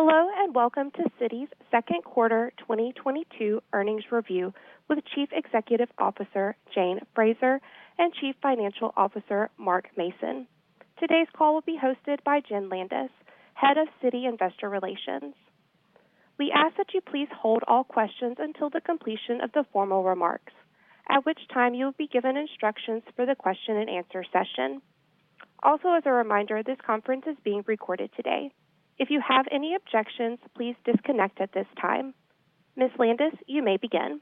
Hello, and welcome to Citi Second Quarter 2022 Earnings Review with Chief Executive Officer, Jane Fraser, and Chief Financial Officer, Mark Mason. Today's call will be hosted by Jenn Landis, Head of Citi Investor Relations. We ask that you please hold all questions until the completion of the formal remarks, at which time you'll be given instructions for the question and answer session. Also as a reminder, this conference is being recorded today. If you have any objections, please disconnect at this time. Ms. Landis, you may begin.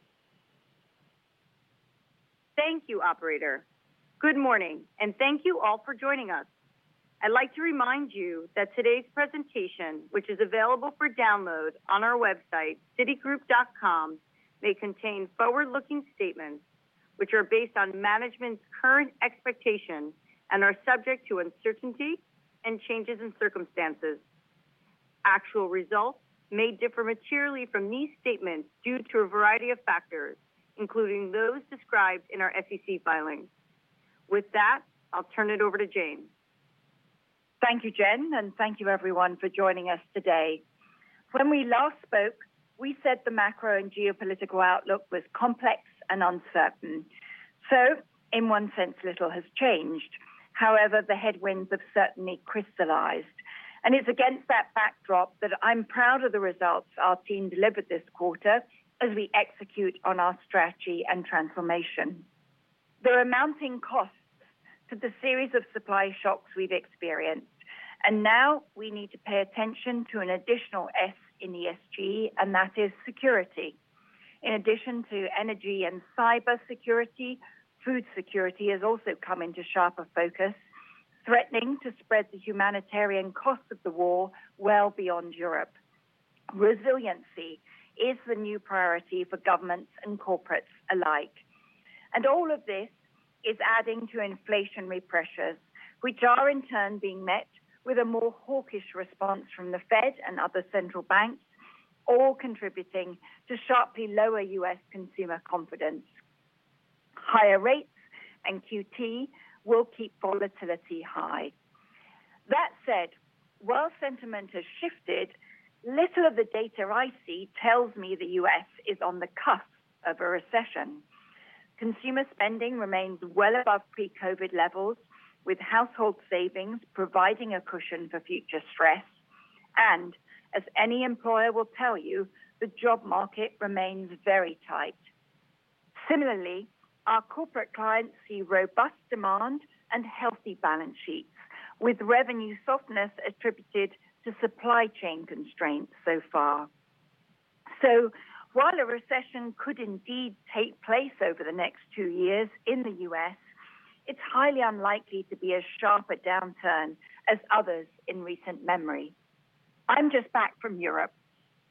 Thank you, operator. Good morning, and thank you all for joining us. I'd like to remind you that today's presentation, which is available for download on our website, citigroup.com, may contain forward-looking statements which are based on management's current expectations and are subject to uncertainty and changes in circumstances. Actual results may differ materially from these statements due to a variety of factors, including those described in our SEC filings. With that, I'll turn it over to Jane. Thank you, Jenn, and thank you everyone for joining us today. When we last spoke, we said the macro and geopolitical outlook was complex and uncertain. In one sense, little has changed. However, the headwinds have certainly crystallized. It's against that backdrop that I'm proud of the results our team delivered this quarter as we execute on our strategy and transformation. There are mounting costs to the series of supply shocks we've experienced, now we need to pay attention to an additional S in ESG, and that is security. In addition to energy and cybersecurity, food security has also come into sharper focus, threatening to spread the humanitarian costs of the war well beyond Europe. Resiliency is the new priority for governments and corporates alike. All of this is adding to inflationary pressures, which are in turn being met with a more hawkish response from the Fed and other central banks, all contributing to sharply lower U.S. consumer confidence. Higher rates and QT will keep volatility high. That said, while sentiment has shifted, little of the data I see tells me the U.S. is on the cusp of a recession. Consumer spending remains well above pre-COVID levels, with household savings providing a cushion for future stress. As any employer will tell you, the job market remains very tight. Similarly, our corporate clients see robust demand and healthy balance sheets, with revenue softness attributed to supply chain constraints so far. While a recession could indeed take place over the next two years in the U.S., it's highly unlikely to be as sharp a downturn as others in recent memory. I'm just back from Europe,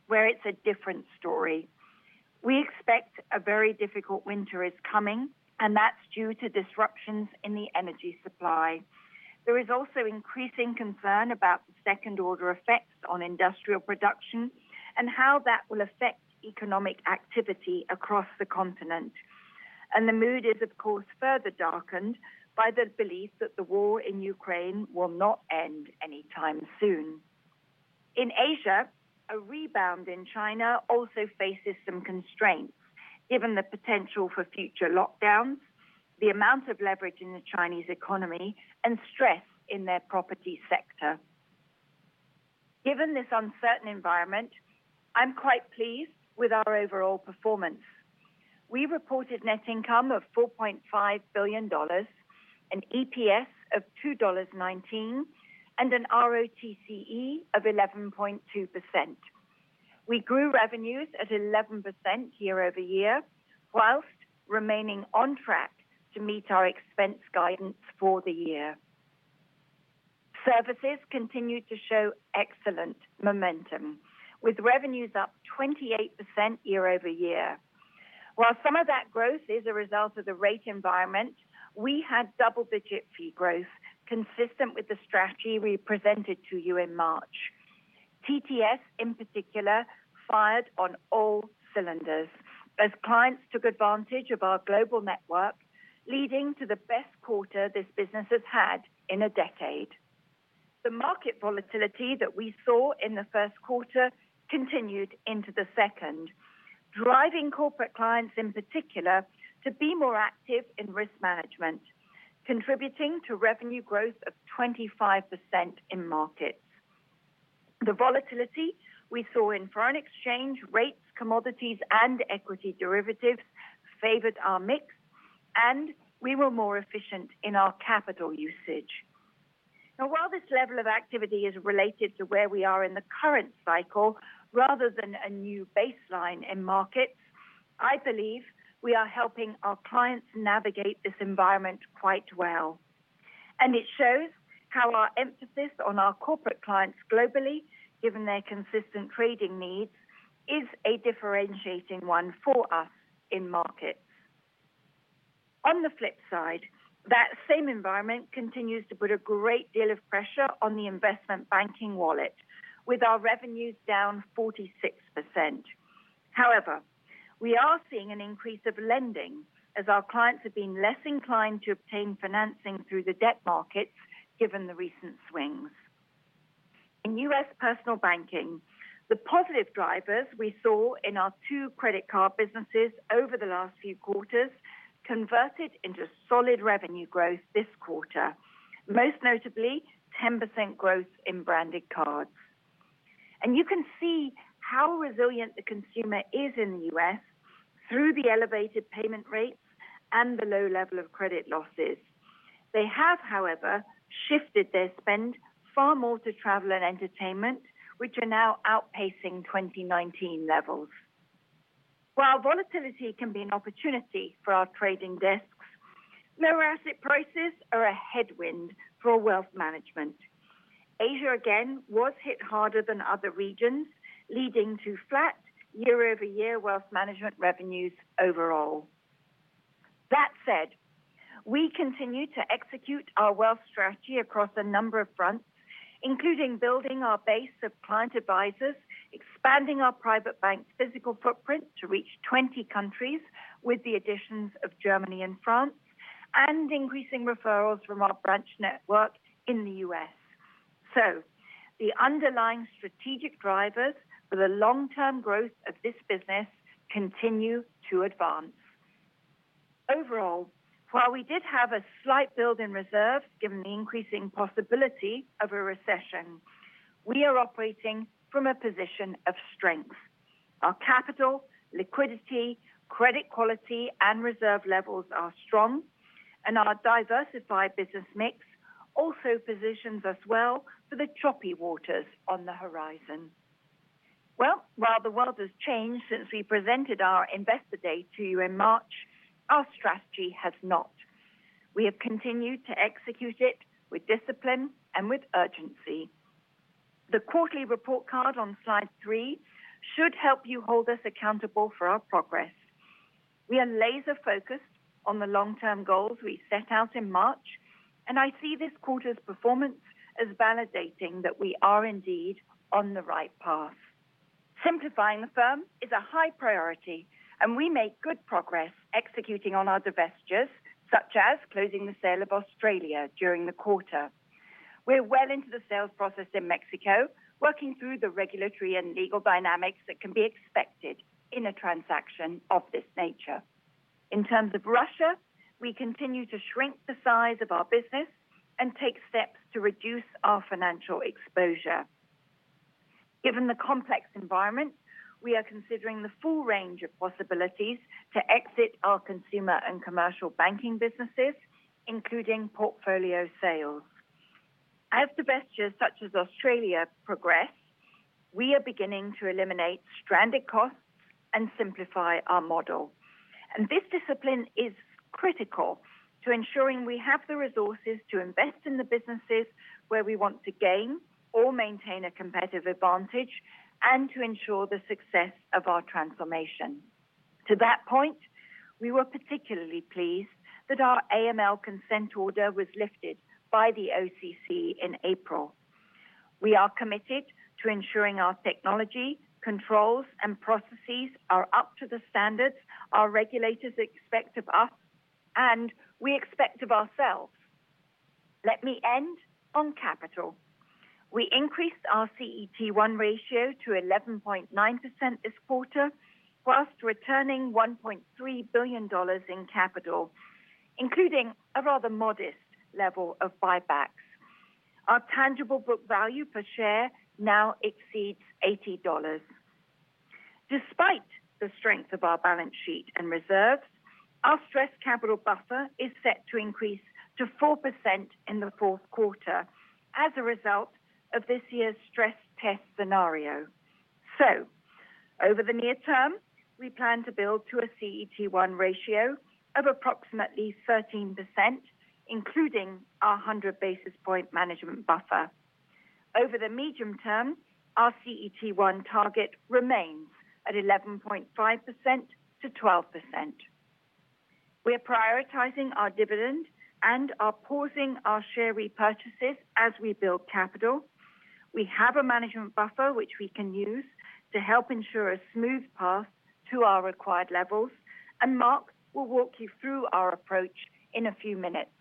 where it's a different story. We expect a very difficult winter is coming, and that's due to disruptions in the energy supply. There is also increasing concern about the second order effects on industrial production and how that will affect economic activity across the continent. The mood is of course, further darkened by the belief that the war in Ukraine will not end anytime soon. In Asia, a rebound in China also faces some constraints given the potential for future lockdowns, the amount of leverage in the Chinese economy, and stress in their property sector. Given this uncertain environment, I'm quite pleased with our overall performance. We reported net income of $4.5 billion, an EPS of $2.19, and an ROTCE of 11.2%. We grew revenues at 11% year-over-year, while remaining on track to meet our expense guidance for the year. Services continued to show excellent momentum with revenues up 28% year-over-year. While some of that growth is a result of the rate environment, we had double-digit fee growth consistent with the strategy we presented to you in March. TTS in particular, fired on all cylinders as clients took advantage of our global network, leading to the best quarter this business has had in a decade. The market volatility that we saw in the first quarter continued into the second, driving corporate clients, in particular, to be more active in risk management, contributing to revenue growth of 25% in markets. The volatility we saw in foreign exchange rates, commodities, and equity derivatives favored our mix, and we were more efficient in our capital usage. Now while this level of activity is related to where we are in the current cycle rather than a new baseline in markets, I believe we are helping our clients navigate this environment quite well. It shows how our emphasis on our corporate clients globally, given their consistent trading needs, is a differentiating one for us in markets. On the flip side, that same environment continues to put a great deal of pressure on the investment banking wallet, with our revenues down 46%. However, we are seeing an increase of lending as our clients have been less inclined to obtain financing through the debt markets given the recent swings. In US Personal Banking, the positive drivers we saw in our two credit card businesses over the last few quarters converted into solid revenue growth this quarter, most notably 10% growth in Branded Cards. You can see how resilient the consumer is in the U.S. through the elevated payment rates and the low level of credit losses. They have, however, shifted their spend far more to travel and entertainment, which are now outpacing 2019 levels. While volatility can be an opportunity for our trading desks, lower asset prices are a headwind for wealth management. Asia, again, was hit harder than other regions, leading to flat year-over-year wealth management revenues overall. That said, we continue to execute our wealth strategy across a number of fronts, including building our base of client advisors, expanding our private bank's physical footprint to reach 20 countries with the additions of Germany and France, and increasing referrals from our branch network in the U.S.. The underlying strategic drivers for the long-term growth of this business continue to advance. Overall, while we did have a slight build in reserves, given the increasing possibility of a recession, we are operating from a position of strength. Our capital, liquidity, credit quality, and reserve levels are strong, and our diversified business mix also positions us well for the choppy waters on the horizon. Well, while the world has changed since we presented our Investor Day to you in March, our strategy has not. We have continued to execute it with discipline and with urgency. The quarterly report card on slide three should help you hold us accountable for our progress. We are laser focused on the long-term goals we set out in March, and I see this quarter's performance as validating that we are indeed on the right path. Simplifying the firm is a high priority, and we make good progress executing on our divestitures, such as closing the sale of Australia during the quarter. We're well into the sales process in Mexico, working through the regulatory and legal dynamics that can be expected in a transaction of this nature. In terms of Russia, we continue to shrink the size of our business and take steps to reduce our financial exposure. Given the complex environment, we are considering the full range of possibilities to exit our consumer and commercial banking businesses, including portfolio sales. As divestitures such as Australia progress, we are beginning to eliminate stranded costs and simplify our model. This discipline is critical to ensuring we have the resources to invest in the businesses where we want to gain or maintain a competitive advantage and to ensure the success of our transformation. To that point, we were particularly pleased that our AML consent order was lifted by the OCC in April. We are committed to ensuring our technology, controls, and processes are up to the standards our regulators expect of us and we expect of ourselves. Let me end on capital. We increased our CET1 ratio to 11.9% this quarter, while returning $1.3 billion in capital, including a rather modest level of buybacks. Our tangible book value per share now exceeds $80. Despite the strength of our balance sheet and reserves, our stress capital buffer is set to increase to 4% in the fourth quarter as a result of this year's stress test scenario. Over the near term, we plan to build to a CET1 ratio of approximately 13%, including our 100 basis points management buffer. Over the medium term, our CET1 target remains at 11.5%-12%. We are prioritizing our dividend and are pausing our share repurchases as we build capital. We have a management buffer which we can use to help ensure a smooth path to our required levels, and Mark will walk you through our approach in a few minutes.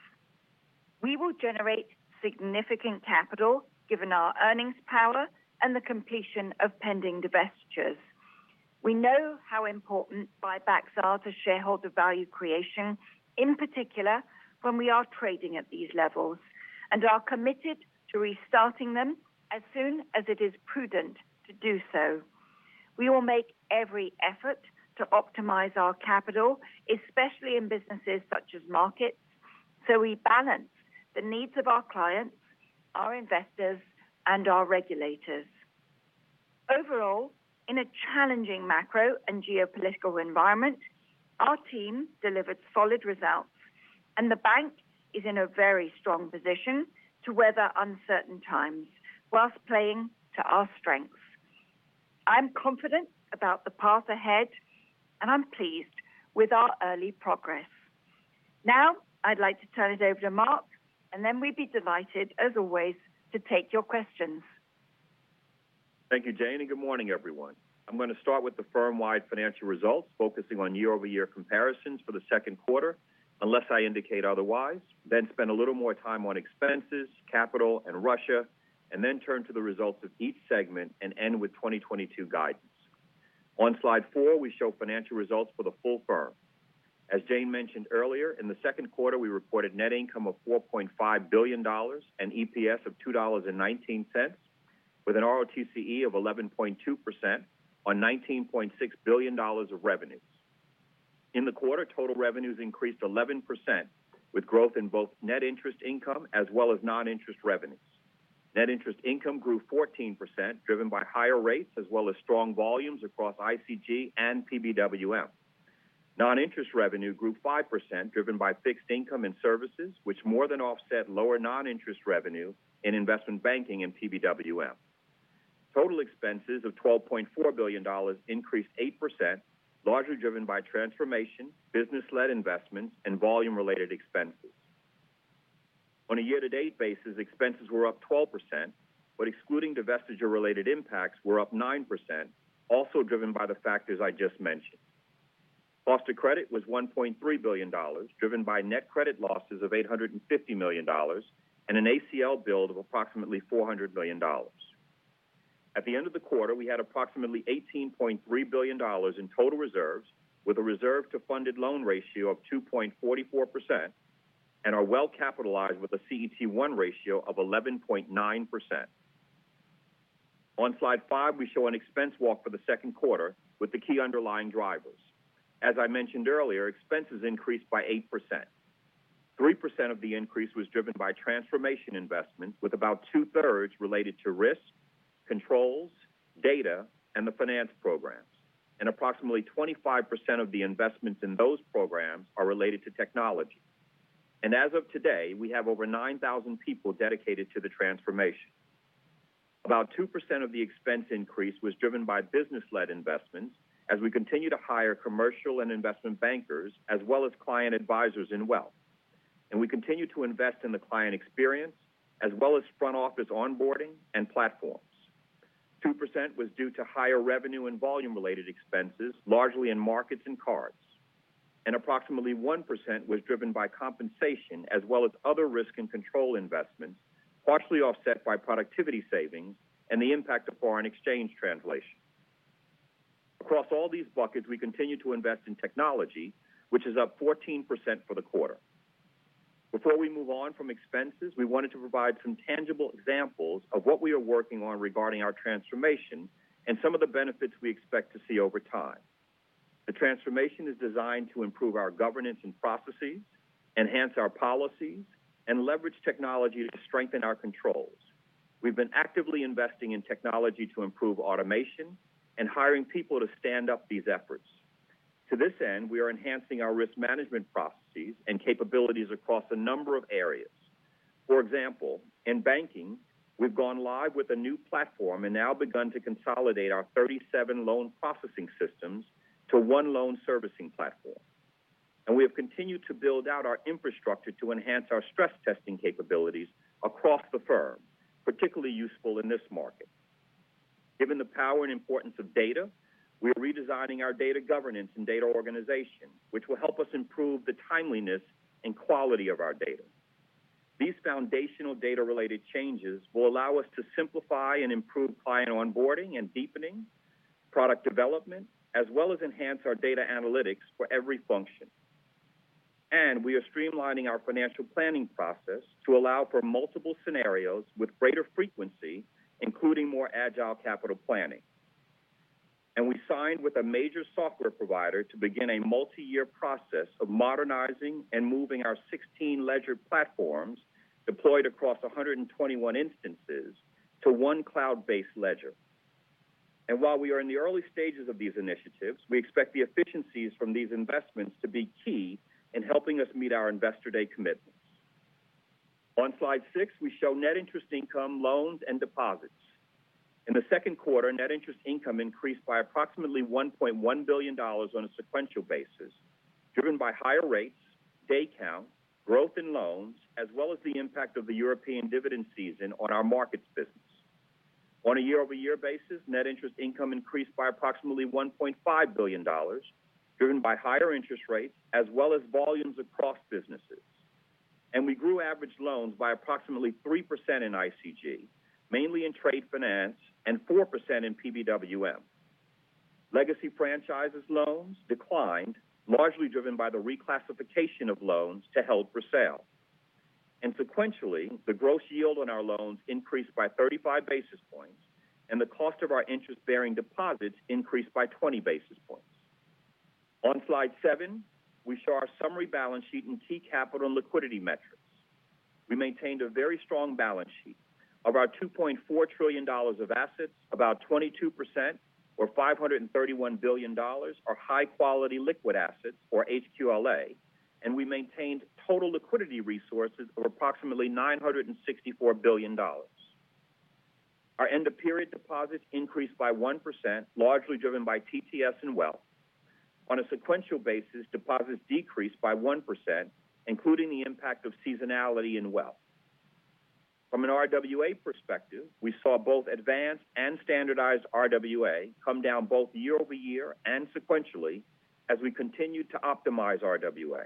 We will generate significant capital given our earnings power and the completion of pending divestitures. We know how important buybacks are to shareholder value creation, in particular, when we are trading at these levels, and are committed to restarting them as soon as it is prudent to do so. We will make every effort to optimize our capital, especially in businesses such as markets, so we balance the needs of our clients, our investors, and our regulators. Overall, in a challenging macro and geopolitical environment, our team delivered solid results, and the bank is in a very strong position to weather uncertain times while playing to our strengths. I'm confident about the path ahead, and I'm pleased with our early progress. Now I'd like to turn it over to Mark, and then we'd be delighted, as always, to take your questions. Thank you, Jane, and good morning, everyone. I'm going to start with the firm-wide financial results, focusing on year-over-year comparisons for the second quarter. Unless I indicate otherwise, then spend a little more time on expenses, capital and Russia, and then turn to the results of each segment and end with 2022 guidance. On slide four, we show financial results for the full firm. As Jane mentioned earlier, in the second quarter we reported net income of $4.5 billion and EPS of $2.19, with an ROTCE of 11.2% on $19.6 billion of revenues. In the quarter, total revenues increased 11%, with growth in both net interest income as well as non-interest revenues. Net interest income grew 14%, driven by higher rates as well as strong volumes across ICG and PBWM. Non-interest revenue grew 5%, driven by fixed income and services, which more than offset lower non-interest revenue in investment banking in PBWM. Total expenses of $12.4 billion increased 8%, largely driven by transformation, business-led investments, and volume-related expenses. On a year-to-date basis, expenses were up 12%, but excluding divestiture related impacts were up 9%, also driven by the factors I just mentioned. Cost of credit was $1.3 billion, driven by net credit losses of $850 million and an ACL build of approximately $400 million. At the end of the quarter, we had approximately $18.3 billion in total reserves with a reserve to funded loan ratio of 2.44% and are well capitalized with a CET1 ratio of 11.9%. On slide five, we show an expense walk for the second quarter with the key underlying drivers. As I mentioned earlier, expenses increased by 8%. 3% of the increase was driven by transformation investments, with about two-thirds related to risk, controls, data, and the finance programs. Approximately 25% of the investments in those programs are related to technology. As of today, we have over 9,000 people dedicated to the transformation. About 2% of the expense increase was driven by business-led investments as we continue to hire commercial and investment bankers as well as client advisors in wealth. We continue to invest in the client experience as well as front office onboarding and platforms. 2% was due to higher revenue and volume related expenses, largely in markets and cards. Approximately 1% was driven by compensation as well as other risk and control investments, partially offset by productivity savings and the impact of foreign exchange translation. Across all these buckets, we continue to invest in technology which is up 14% for the quarter. Before we move on from expenses, we wanted to provide some tangible examples of what we are working on regarding our transformation and some of the benefits we expect to see over time. The transformation is designed to improve our governance and processes, enhance our policies, and leverage technology to strengthen our controls. We've been actively investing in technology to improve automation and hiring people to stand up these efforts. To this end, we are enhancing our risk management processes and capabilities across a number of areas. For example, in banking, we've gone live with a new platform and now begun to consolidate our 37 loan processing systems to one loan servicing platform. We have continued to build out our infrastructure to enhance our stress testing capabilities across the firm, particularly useful in this market. Given the power and importance of data, we are redesigning our data governance and data organization, which will help us improve the timeliness and quality of our data. These foundational data-related changes will allow us to simplify and improve client onboarding and deepening, product development, as well as enhance our data analytics for every function. We are streamlining our financial planning process to allow for multiple scenarios with greater frequency, including more agile capital planning. We signed with a major software provider to begin a multi-year process of modernizing and moving our 16 ledger platforms deployed across 121 instances to one cloud-based ledger. While we are in the early stages of these initiatives, we expect the efficiencies from these investments to be key in helping us meet our Investor Day commitments. On slide six, we show net interest income, loans, and deposits. In the second quarter, net interest income increased by approximately $1.1 billion on a sequential basis, driven by higher rates, day count, growth in loans, as well as the impact of the European dividend season on our markets business. On a year-over-year basis, net interest income increased by approximately $1.5 billion, driven by higher interest rates as well as volumes across businesses. We grew average loans by approximately 3% in ICG, mainly in trade finance, and 4% in PBWM. Legacy franchises loans declined, largely driven by the reclassification of loans to held for sale. Sequentially, the gross yield on our loans increased by 35 basis points, and the cost of our interest-bearing deposits increased by 20 basis points. On slide seven, we show our summary balance sheet and key capital and liquidity metrics. We maintained a very strong balance sheet. Of our $2.4 trillion of assets, about 22% or $531 billion are high quality liquid assets, or HQLA, and we maintained total liquidity resources of approximately $964 billion. Our end of period deposits increased by 1%, largely driven by TTS and Wealth. On a sequential basis, deposits decreased by 1%, including the impact of seasonality in Wealth. From an RWA perspective, we saw both advanced and standardized RWA come down both year-over-year and sequentially as we continued to optimize RWA.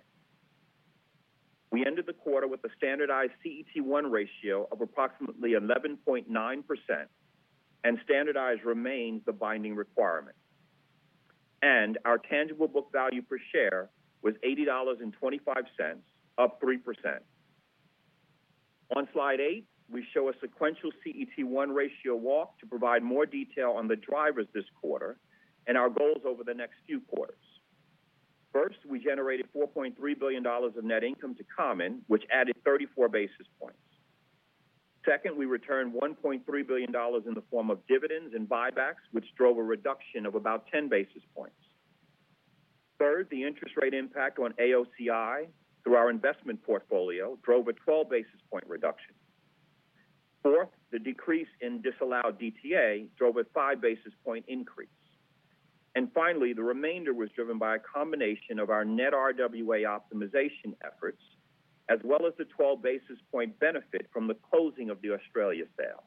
We ended the quarter with a standardized CET1 ratio of approximately 11.9%, and standardized remains the binding requirement. Our tangible book value per share was $80.25, up 3%. On slide eight, we show a sequential CET1 ratio walk to provide more detail on the drivers this quarter and our goals over the next few quarters. First, we generated $4.3 billion of net income to common, which added 34 basis points. Second, we returned $1.3 billion in the form of dividends and buybacks, which drove a reduction of about 10 basis points. Third, the interest rate impact on AOCI through our investment portfolio drove a 12 basis point reduction. Fourth, the decrease in disallowed DTA drove a 5 basis point increase. Finally, the remainder was driven by a combination of our net RWA optimization efforts as well as the 12 basis point benefit from the closing of the Australia sale.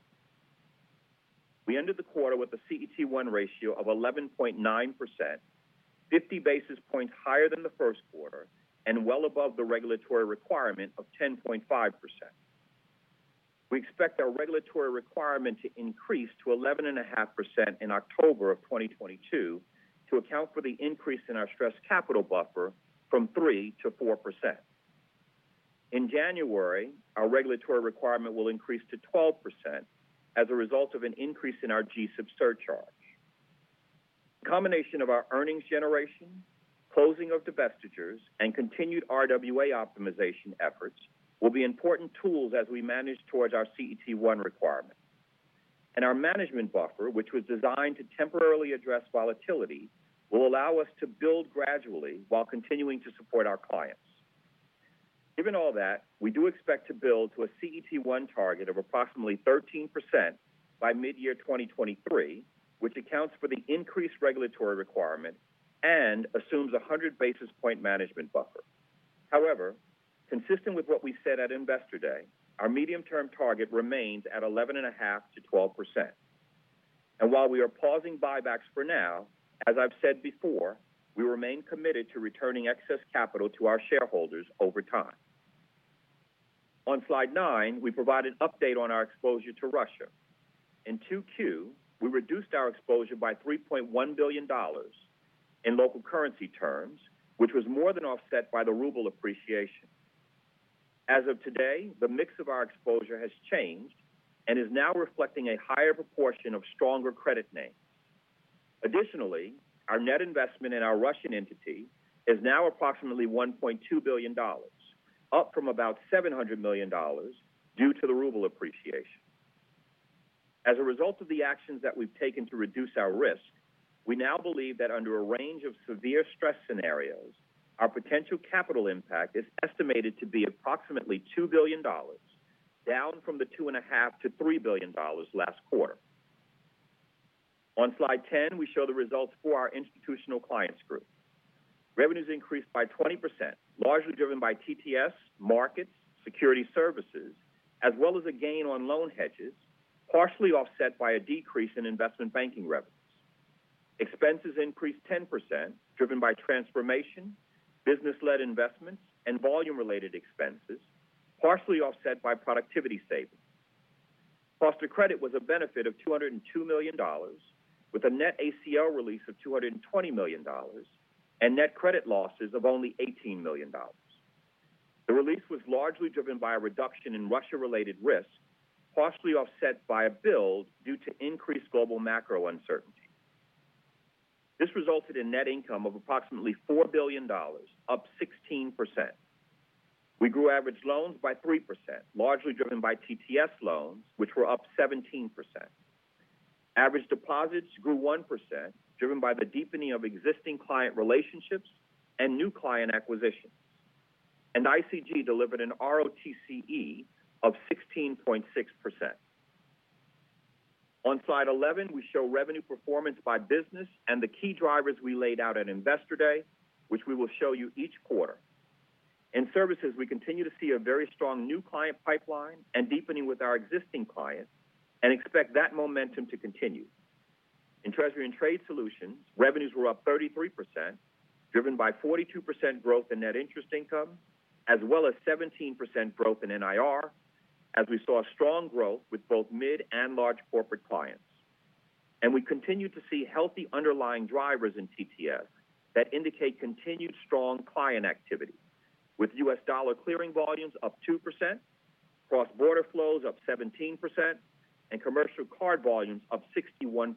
We ended the quarter with a CET1 ratio of 11.9%, 50 basis points higher than the first quarter and well above the regulatory requirement of 10.5%. We expect our regulatory requirement to increase to 11.5% in October 2022 to account for the increase in our stress capital buffer from 3%-4%. In January, our regulatory requirement will increase to 12% as a result of an increase in our GSIB surcharge. A combination of our earnings generation, closing of divestitures, and continued RWA optimization efforts will be important tools as we manage towards our CET1 requirement. Our management buffer, which was designed to temporarily address volatility, will allow us to build gradually while continuing to support our clients. Given all that, we do expect to build to a CET1 target of approximately 13% by mid-year 2023, which accounts for the increased regulatory requirement and assumes a 100 basis point management buffer. However, consistent with what we said at Investor Day, our medium-term target remains at 11.5%-12%. While we are pausing buybacks for now, as I've said before, we remain committed to returning excess capital to our shareholders over time. On slide nine, we provide an update on our exposure to Russia. In 2Q, we reduced our exposure by $3.1 billion in local currency terms, which was more than offset by the ruble appreciation. As of today, the mix of our exposure has changed and is now reflecting a higher proportion of stronger credit names. Additionally, our net investment in our Russian entity is now approximately $1.2 billion, up from about $700 million due to the ruble appreciation. As a result of the actions that we've taken to reduce our risk, we now believe that under a range of severe stress scenarios, our potential capital impact is estimated to be approximately $2 billion, down from the $2.5 billion-$3 billion last quarter. On slide 10, we show the results for our institutional clients group. Revenues increased by 20%, largely driven by TTS, markets, Securities Services, as well as a gain on loan hedges, partially offset by a decrease in Investment Banking revenues. Expenses increased 10%, driven by transformation, business-led investments, and volume-related expenses, partially offset by productivity savings. Cost of credit was a benefit of $202 million, with a net ACL release of $220 million and net credit losses of only $18 million. The release was largely driven by a reduction in Russia-related risk, partially offset by a build due to increased global macro uncertainty. This resulted in net income of approximately $4 billion, up 16%. We grew average loans by 3%, largely driven by TTS loans, which were up 17%. Average deposits grew 1%, driven by the deepening of existing client relationships and new client acquisitions. ICG delivered an ROTCE of 16.6%. On slide 11, we show revenue performance by business and the key drivers we laid out at Investor Day, which we will show you each quarter. In services, we continue to see a very strong new client pipeline and deepening with our existing clients and expect that momentum to continue. In treasury and trade solutions, revenues were up 33%, driven by 42% growth in net interest income as well as 17% growth in NIR, as we saw strong growth with both mid and large corporate clients. We continue to see healthy underlying drivers in TTS that indicate continued strong client activity. With US dollar clearing volumes up 2%, cross-border flows up 17%, and commercial card volumes up 61%.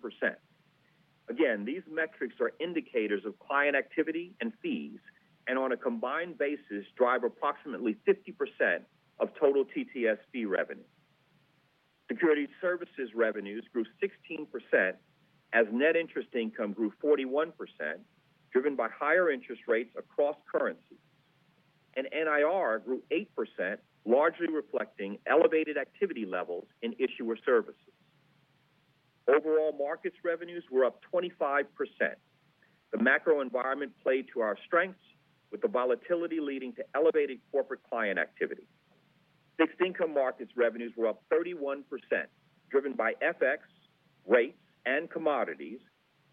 Again, these metrics are indicators of client activity and fees and on a combined basis drive approximately 50% of total TTS fee revenue. Securities Services revenues grew 16% as net interest income grew 41%, driven by higher interest rates across currencies. NIR grew 8%, largely reflecting elevated activity levels in issuer services. Overall markets revenues were up 25%. The macro environment played to our strengths with the volatility leading to elevated corporate client activity. Fixed income markets revenues were up 31%, driven by FX rates and commodities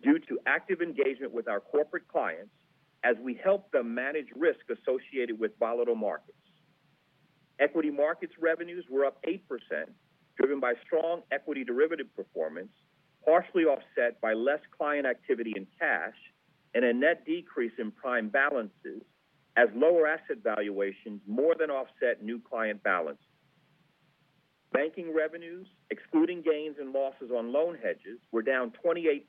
due to active engagement with our corporate clients as we help them manage risk associated with volatile markets. Equity markets revenues were up 8%, driven by strong equity derivative performance, partially offset by less client activity in cash and a net decrease in prime balances as lower asset valuations more than offset new client balance. Banking revenues, excluding gains and losses on loan hedges, were down 28%,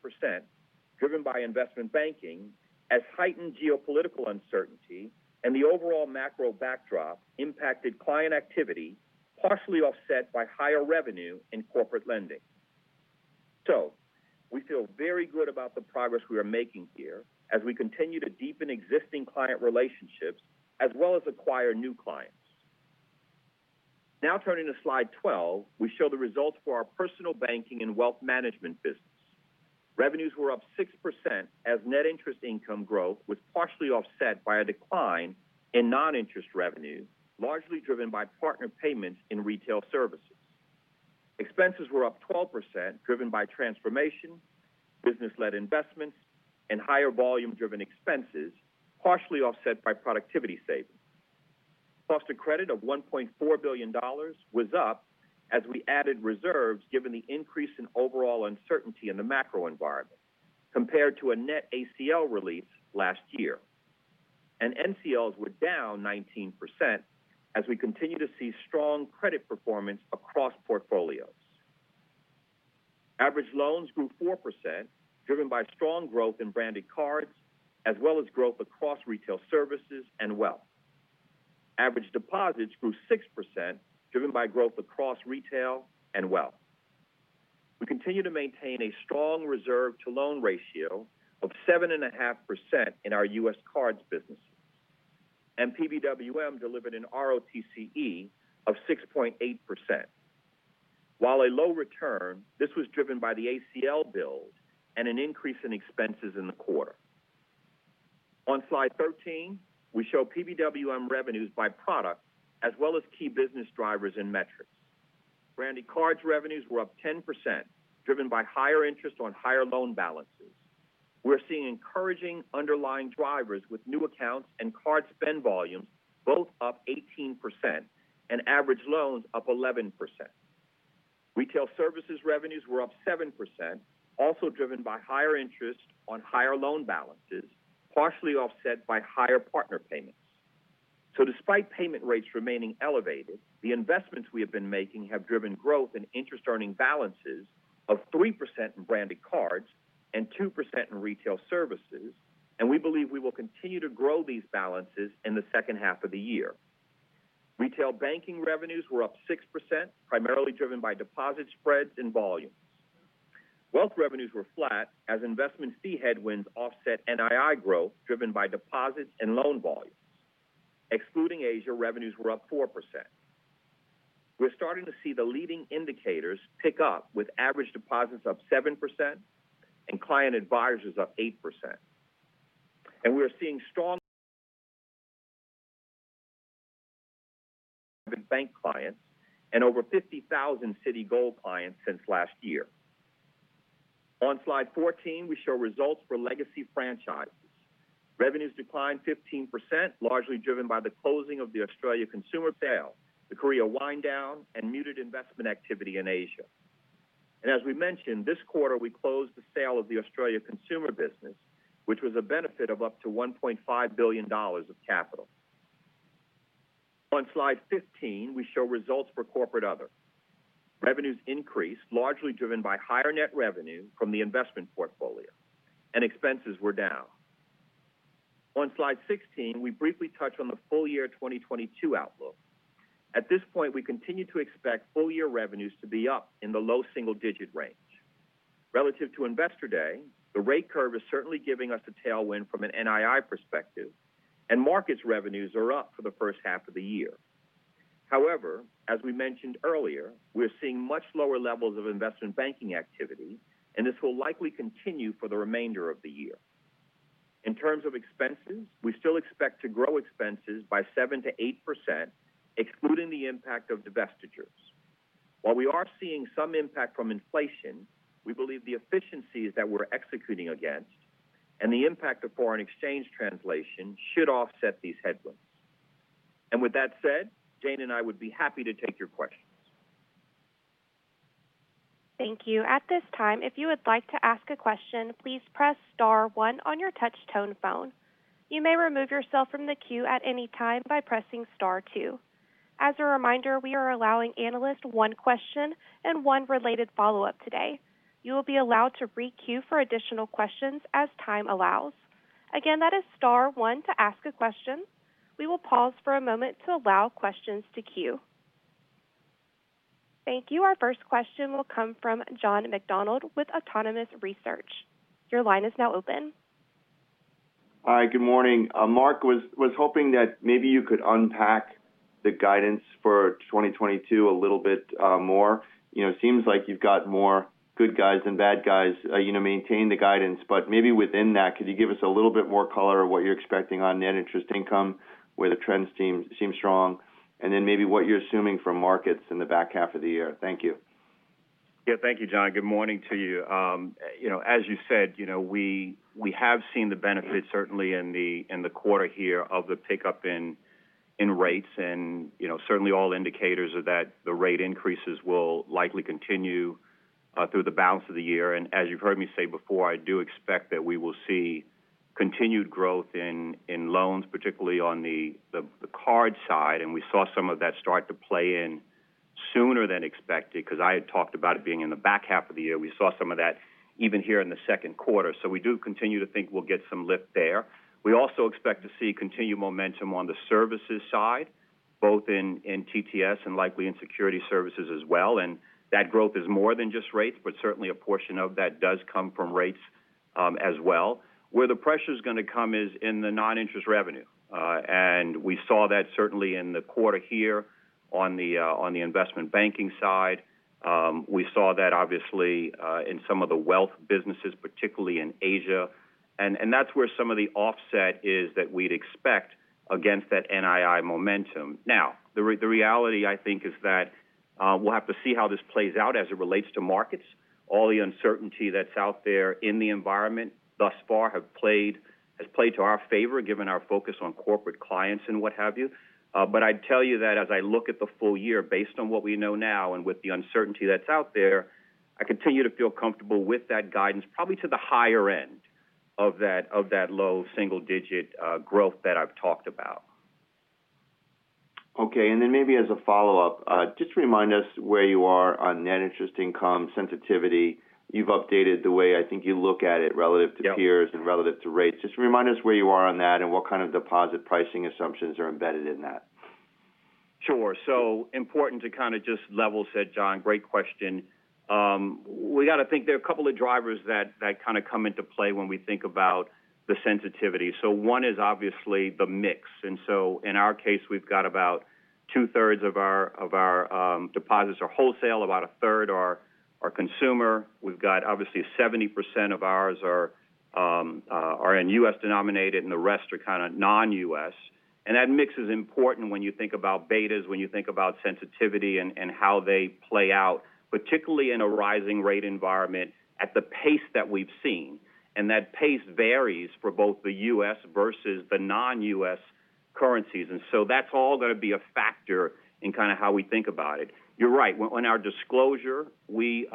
driven by Investment Banking as heightened geopolitical uncertainty and the overall macro backdrop impacted client activity, partially offset by higher revenue in Corporate Lending. We feel very good about the progress we are making here as we continue to deepen existing client relationships as well as acquire new clients. Now turning to slide 12, we show the results for our personal banking and wealth management business. Revenues were up 6% as net interest income growth was partially offset by a decline in non-interest revenue, largely driven by partner payments in Retail Services. Expenses were up 12%, driven by transformation, business-led investments, and higher volume-driven expenses, partially offset by productivity savings. Cost of credit of $1.4 billion was up as we added reserves given the increase in overall uncertainty in the macro environment compared to a net ACL release last year. NCLs were down 19% as we continue to see strong credit performance across portfolios. Average loans grew 4%, driven by strong growth in branded cards as well as growth across retail services and wealth. Average deposits grew 6%, driven by growth across retail and wealth. We continue to maintain a strong reserve to loan ratio of 7.5% in our U.S. cards business. PBWM delivered an ROTCE of 6.8%. While a low return, this was driven by the ACL build and an increase in expenses in the quarter. On slide 13, we show PBWM revenues by product as well as key business drivers and metrics. Branded cards revenues were up 10%, driven by higher interest on higher loan balances. We're seeing encouraging underlying drivers with new accounts and card spend volumes both up 18% and average loans up 11%. Retail services revenues were up 7%, also driven by higher interest on higher loan balances, partially offset by higher partner payments. Despite payment rates remaining elevated, the investments we have been making have driven growth in interest earning balances of 3% in branded cards and 2% in retail services. We believe we will continue to grow these balances in the second half of the year. Retail banking revenues were up 6%, primarily driven by deposit spreads and volumes. Wealth revenues were flat as investment fee headwinds offset NII growth, driven by deposits and loan volumes. Excluding Asia, revenues were up 4%. We're starting to see the leading indicators pick up with average deposits up 7% and client advisors up 8%. We are seeing strong banking clients and over 50,000 Citigold clients since last year. On slide 14, we show results for legacy franchises. Revenues declined 15%, largely driven by the closing of the Australian consumer sale, the Korean wind down, and muted investment activity in Asia. As we mentioned, this quarter we closed the sale of the Australian consumer business, which was a benefit of up to $1.5 billion of capital. On slide 15, we show results for corporate other. Revenues increased, largely driven by higher net revenue from the investment portfolio, and expenses were down. On slide 16, we briefly touch on the full-year 2022 outlook. At this point, we continue to expect full year revenues to be up in the low single-digit range. Relative to Investor Day, the rate curve is certainly giving us a tailwind from an NII perspective, and markets revenues are up for the first half of the year. However, as we mentioned earlier, we're seeing much lower levels of investment banking activity, and this will likely continue for the remainder of the year. In terms of expenses, we still expect to grow expenses by 7%-8%, excluding the impact of divestitures. While we are seeing some impact from inflation, we believe the efficiencies that we're executing against and the impact of foreign exchange translation should offset these headwinds. With that said, Jane and I would be happy to take your questions. Thank you. At this time, if you would like to ask a question, please press star one on your touch tone phone. You may remove yourself from the queue at any time by pressing star two. As a reminder, we are allowing analysts one question and one related follow-up today. You will be allowed to re-queue for additional questions as time allows. Again, that is star one to ask a question. We will pause for a moment to allow questions to queue. Thank you. Our first question will come from John McDonald with Autonomous Research. Your line is now open. Hi, good morning. Mark, was hoping that maybe you could unpack the guidance for 2022 a little bit more. You know, seems like you've got more good guys than bad guys, you know, maintain the guidance, but maybe within that, could you give us a little bit more color on what you're expecting on net interest income, where the trends seem strong, and then maybe what you're assuming from markets in the back half of the year? Thank you. Yeah, thank you, John. Good morning to you. You know, as you said, you know, we have seen the benefit certainly in the quarter here of the pickup in rates. You know, certainly all indicators are that the rate increases will likely continue through the balance of the year. As you've heard me say before, I do expect that we will see continued growth in loans, particularly on the card side, and we saw some of that start to play in sooner than expected because I had talked about it being in the back half of the year. We saw some of that even here in the second quarter. We do continue to think we'll get some lift there. We also expect to see continued momentum on the services side, both in TTS and likely in Securities Services as well. That growth is more than just rates, but certainly a portion of that does come from rates, as well. Where the pressure's gonna come is in the non-interest revenue. We saw that certainly in the quarter here on the investment banking side. We saw that obviously in some of the wealth businesses, particularly in Asia. That's where some of the offset is that we'd expect against that NII momentum. Now, the reality I think is that we'll have to see how this plays out as it relates to markets. All the uncertainty that's out there in the environment thus far has played to our favor, given our focus on corporate clients and what have you. I'd tell you that as I look at the full year based on what we know now and with the uncertainty that's out there, I continue to feel comfortable with that guidance, probably to the higher end of that low single digit growth that I've talked about. Okay. Maybe as a follow-up, just remind us where you are on net interest income sensitivity. You've updated the way I think you look at it relative to. Yep Peers and relative to rates. Just remind us where you are on that and what kind of deposit pricing assumptions are embedded in that. Sure. Important to kind of just level set, John. Great question. We got to think there are a couple of drivers that kind of come into play when we think about the sensitivity. One is obviously the mix. In our case, we've got about 2/3 of our deposits are wholesale, about a third are consumer. We've got obviously 70% of ours are in U.S. denominated, and the rest are kind of non-US That mix is important when you think about betas, when you think about sensitivity and how they play out, particularly in a rising rate environment at the pace that we've seen. That pace varies for both the US versus the non-US currencies. That's all going to be a factor in kind of how we think about it. You're right. In our disclosure, we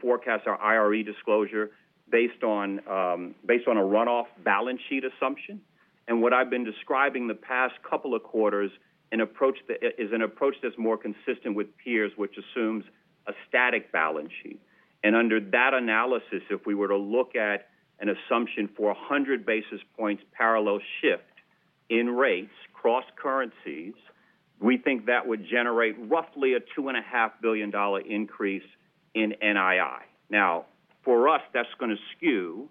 forecast our IRE disclosure based on a run-off balance sheet assumption. What I've been describing the past couple of quarters is an approach that's more consistent with peers, which assumes a static balance sheet. Under that analysis, if we were to look at an assumption for 100 basis points parallel shift in rates across currencies, we think that would generate roughly a $2.5 billion increase in NII. Now, for us, that's gonna skew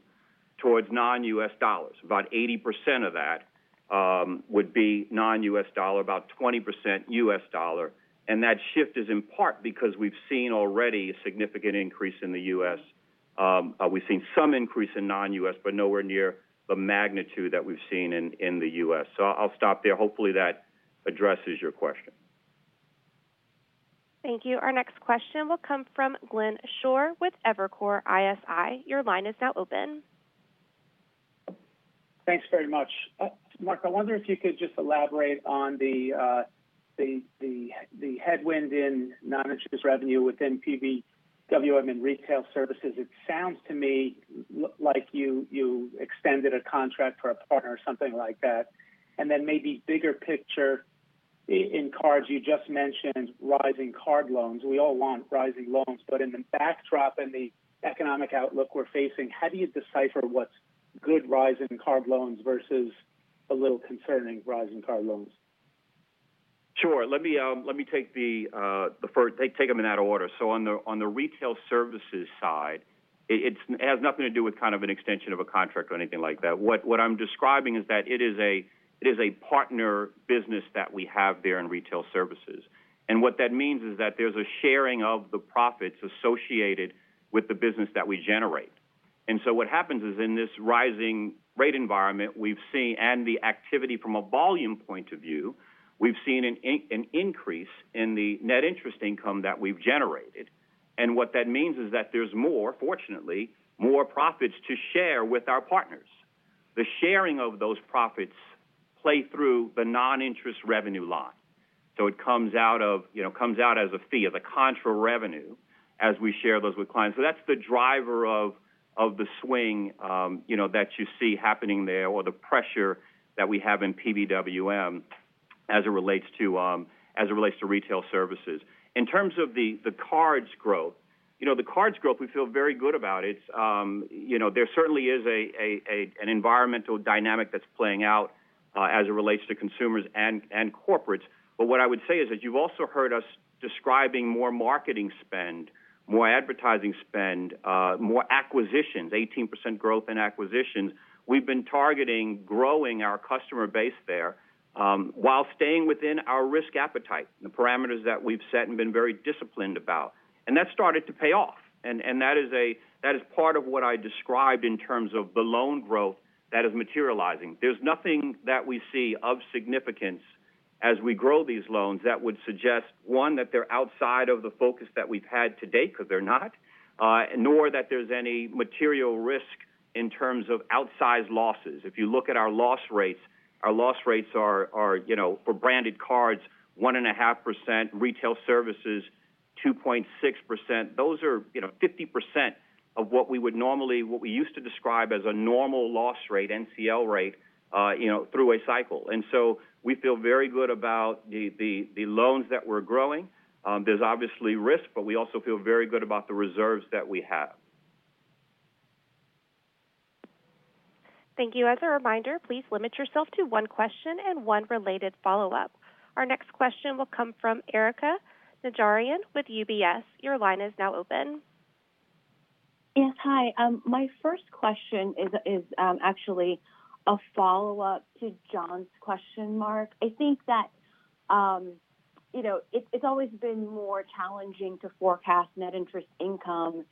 towards non-US dollars. About 80% of that would be non-US dollar, about 20% US dollar. That shift is in part because we've seen already a significant increase in the U.S. We've seen some increase in non-US, but nowhere near the magnitude that we've seen in the U.S. I'll stop there. Hopefully, that addresses your question. Thank you. Our next question will come from Glenn Schorr with Evercore ISI. Your line is now open. Thanks very much. Mark, I wonder if you could just elaborate on the headwind in non-interest revenue within PBWM and Retail Services. It sounds to me like you extended a contract for a partner or something like that. Maybe bigger picture in cards, you just mentioned rising card loans. We all want rising loans, but in the backdrop and the economic outlook we're facing, how do you decipher what's good rise in card loans versus a little concerning rise in card loans? Sure. Let me take them in that order. On the Retail Services side, it has nothing to do with kind of an extension of a contract or anything like that. What I'm describing is that it is a partner business that we have there in Retail Services. What that means is that there's a sharing of the profits associated with the business that we generate. What happens is in this rising rate environment and the activity from a volume point of view, we've seen an increase in the net interest income that we've generated. What that means is that there's more, fortunately, profits to share with our partners. The sharing of those profits play through the non-interest revenue line. It comes out, you know, as a fee of a contra revenue as we share those with clients. That's the driver of the swing, you know, that you see happening there or the pressure that we have in PBWM as it relates to Retail Services. In terms of the cards growth, you know, we feel very good about. It's, you know, there certainly is an environmental dynamic that's playing out, as it relates to consumers and corporates. What I would say is that you've also heard us describing more marketing spend, more advertising spend, more acquisitions, 18% growth in acquisitions. We've been targeting growing our customer base there, while staying within our risk appetite, the parameters that we've set and been very disciplined about. That started to pay off, and that is part of what I described in terms of the loan growth that is materializing. There's nothing that we see of significance as we grow these loans that would suggest, one, that they're outside of the focus that we've had to date, because they're not, nor that there's any material risk in terms of outsized losses. If you look at our loss rates, our loss rates are, you know, for Branded Cards, 1.5%, Retail Services, 2.6%. Those are, you know, 50% of what we used to describe as a normal loss rate, NCL rate, you know, through a cycle. We feel very good about the loans that we're growing. There's obviously risk, but we also feel very good about the reserves that we have. Thank you. As a reminder, please limit yourself to one question and one related follow-up. Our next question will come from Erika Najarian with UBS. Your line is now open. Yes. Hi. My first question is actually a follow-up to John's question. I think that, you know, it's always been more challenging to forecast net interest income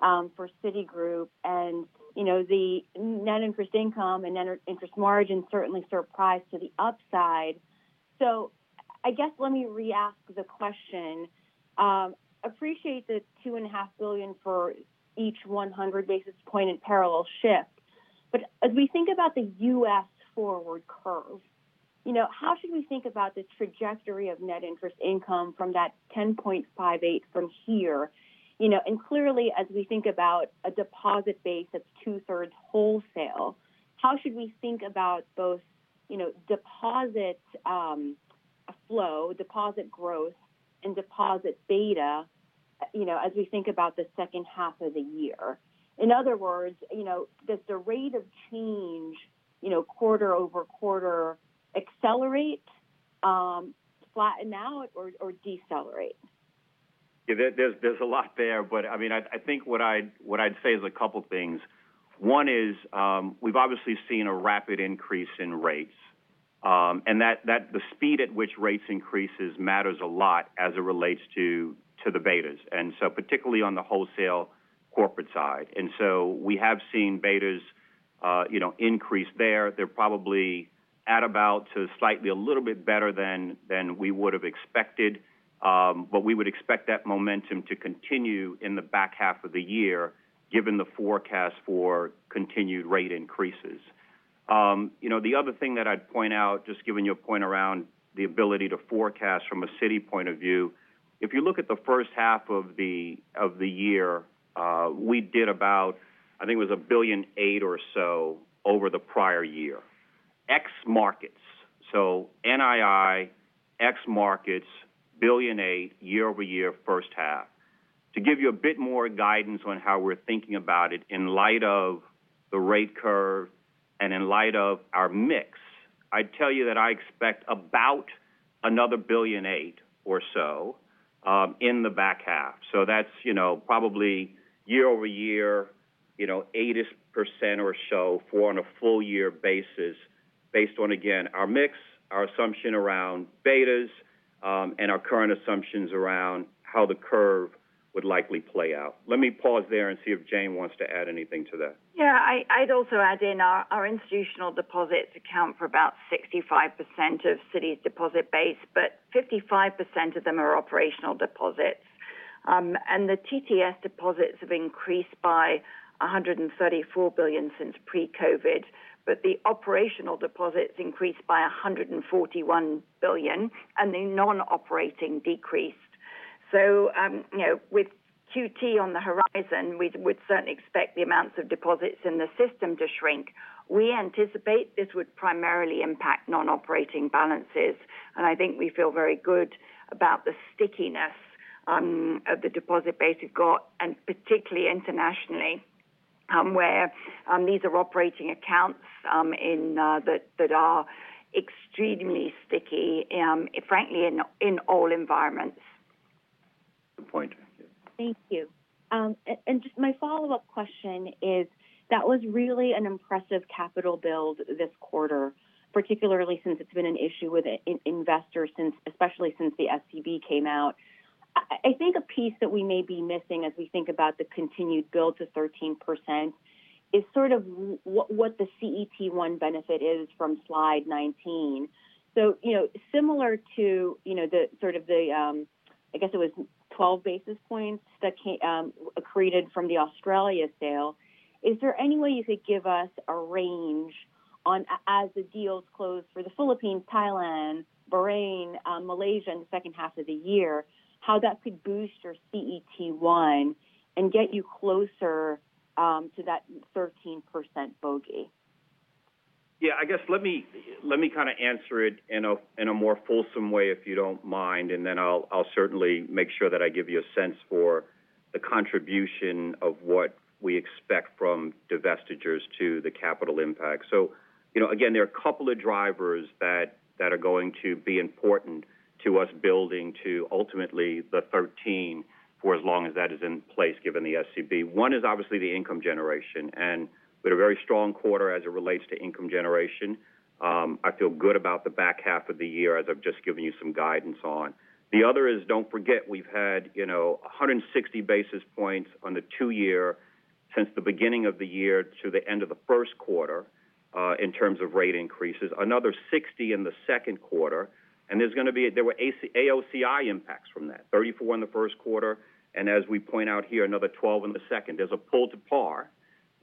for Citigroup and, you know, the net interest income and net interest margin certainly surprised to the upside. I guess let me re-ask the question. Appreciate the $2.5 billion for each 100 basis points in parallel shift. As we think about the U.S. forward curve, you know, how should we think about the trajectory of net interest income from that $10.58 billion from here? You know, and clearly, as we think about a deposit base that's two-thirds wholesale, how should we think about both, you know, deposit flow, deposit growth, and deposit beta, you know, as we think about the second half of the year? In other words, you know, does the rate of change, you know, quarter over quarter accelerate, flatten out or decelerate? Yeah. There's a lot there. I mean, I think what I'd say is a couple things. One is, we've obviously seen a rapid increase in rates, and the speed at which rates increases matters a lot as it relates to the betas, so particularly on the wholesale corporate side. We have seen betas, you know, increase there. They're probably at about to slightly a little bit better than we would have expected. We would expect that momentum to continue in the back half of the year, given the forecast for continued rate increases. You know, the other thing that I'd point out, just giving you a point around the ability to forecast from a Citi point of view, if you look at the first half of the year, we did about, I think it was $1.8 billion or so over the prior year. Ex markets, so NII ex markets, $1.8 billion, year over year, first half. To give you a bit more guidance on how we're thinking about it in light of the rate curve and in light of our mix, I'd tell you that I expect about another $1.8 billion or so in the back half. That's, you know, probably year-over-year, you know, 80% or so, on a full year basis based on, again, our mix, our assumption around betas, and our current assumptions around how the curve would likely play out. Let me pause there and see if Jane wants to add anything to that. Yeah. I'd also add in our institutional deposits account for about 65% of Citi's deposit base, but 55% of them are operational deposits. The TTS deposits have increased by $134 billion since pre-COVID, but the operational deposits increased by $141 billion, and the non-operating decreased. You know, with QT on the horizon, we would certainly expect the amounts of deposits in the system to shrink. We anticipate this would primarily impact non-operating balances, and I think we feel very good about the stickiness of the deposit base we've got, and particularly internationally, where these are operating accounts in that are extremely sticky, frankly, in all environments. Good point. Thank you. Thank you. And just my follow-up question is that was really an impressive capital build this quarter, particularly since it's been an issue with investors since, especially since the SCB came out. I think a piece that we may be missing as we think about the continued build to 13% is what the CET1 benefit is from slide 19. You know, similar to, you know, the sort of the, I guess it was 12 basis points that accreted from the Australia sale, is there any way you could give us a range on as the deals close for the Philippines, Thailand, Bahrain, Malaysia in the second half of the year, how that could boost your CET1 and get you closer to that 13% bogey? Yeah, I guess let me kind of answer it in a more fulsome way, if you don't mind, and then I'll certainly make sure that I give you a sense for the contribution of what we expect from divestitures to the capital impact. You know, again, there are a couple of drivers that are going to be important to us building to ultimately the 13 for as long as that is in place, given the SCB. One is obviously the income generation, and we had a very strong quarter as it relates to income generation. I feel good about the back half of the year, as I've just given you some guidance on. The other is, don't forget, we've had, you know, 160 basis points on the two-year since the beginning of the year to the end of the first quarter, in terms of rate increases. Another 60 in the second quarter. There were AOCI impacts from that. 34 in the first quarter, and as we point out here, another 12 in the second. There's a pull to par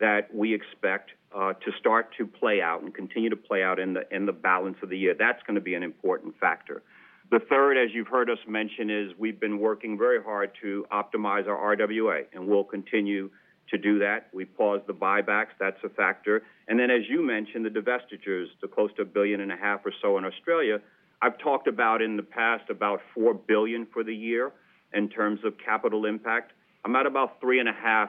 that we expect to start to play out and continue to play out in the balance of the year. That's gonna be an important factor. The third, as you've heard us mention, is we've been working very hard to optimize our RWA, and we'll continue to do that. We paused the buybacks. That's a factor. As you mentioned, the divestitures, the close to $1.5 billion or so in Australia. I've talked about in the past, about $4 billion for the year in terms of capital impact. I'm at about $3.5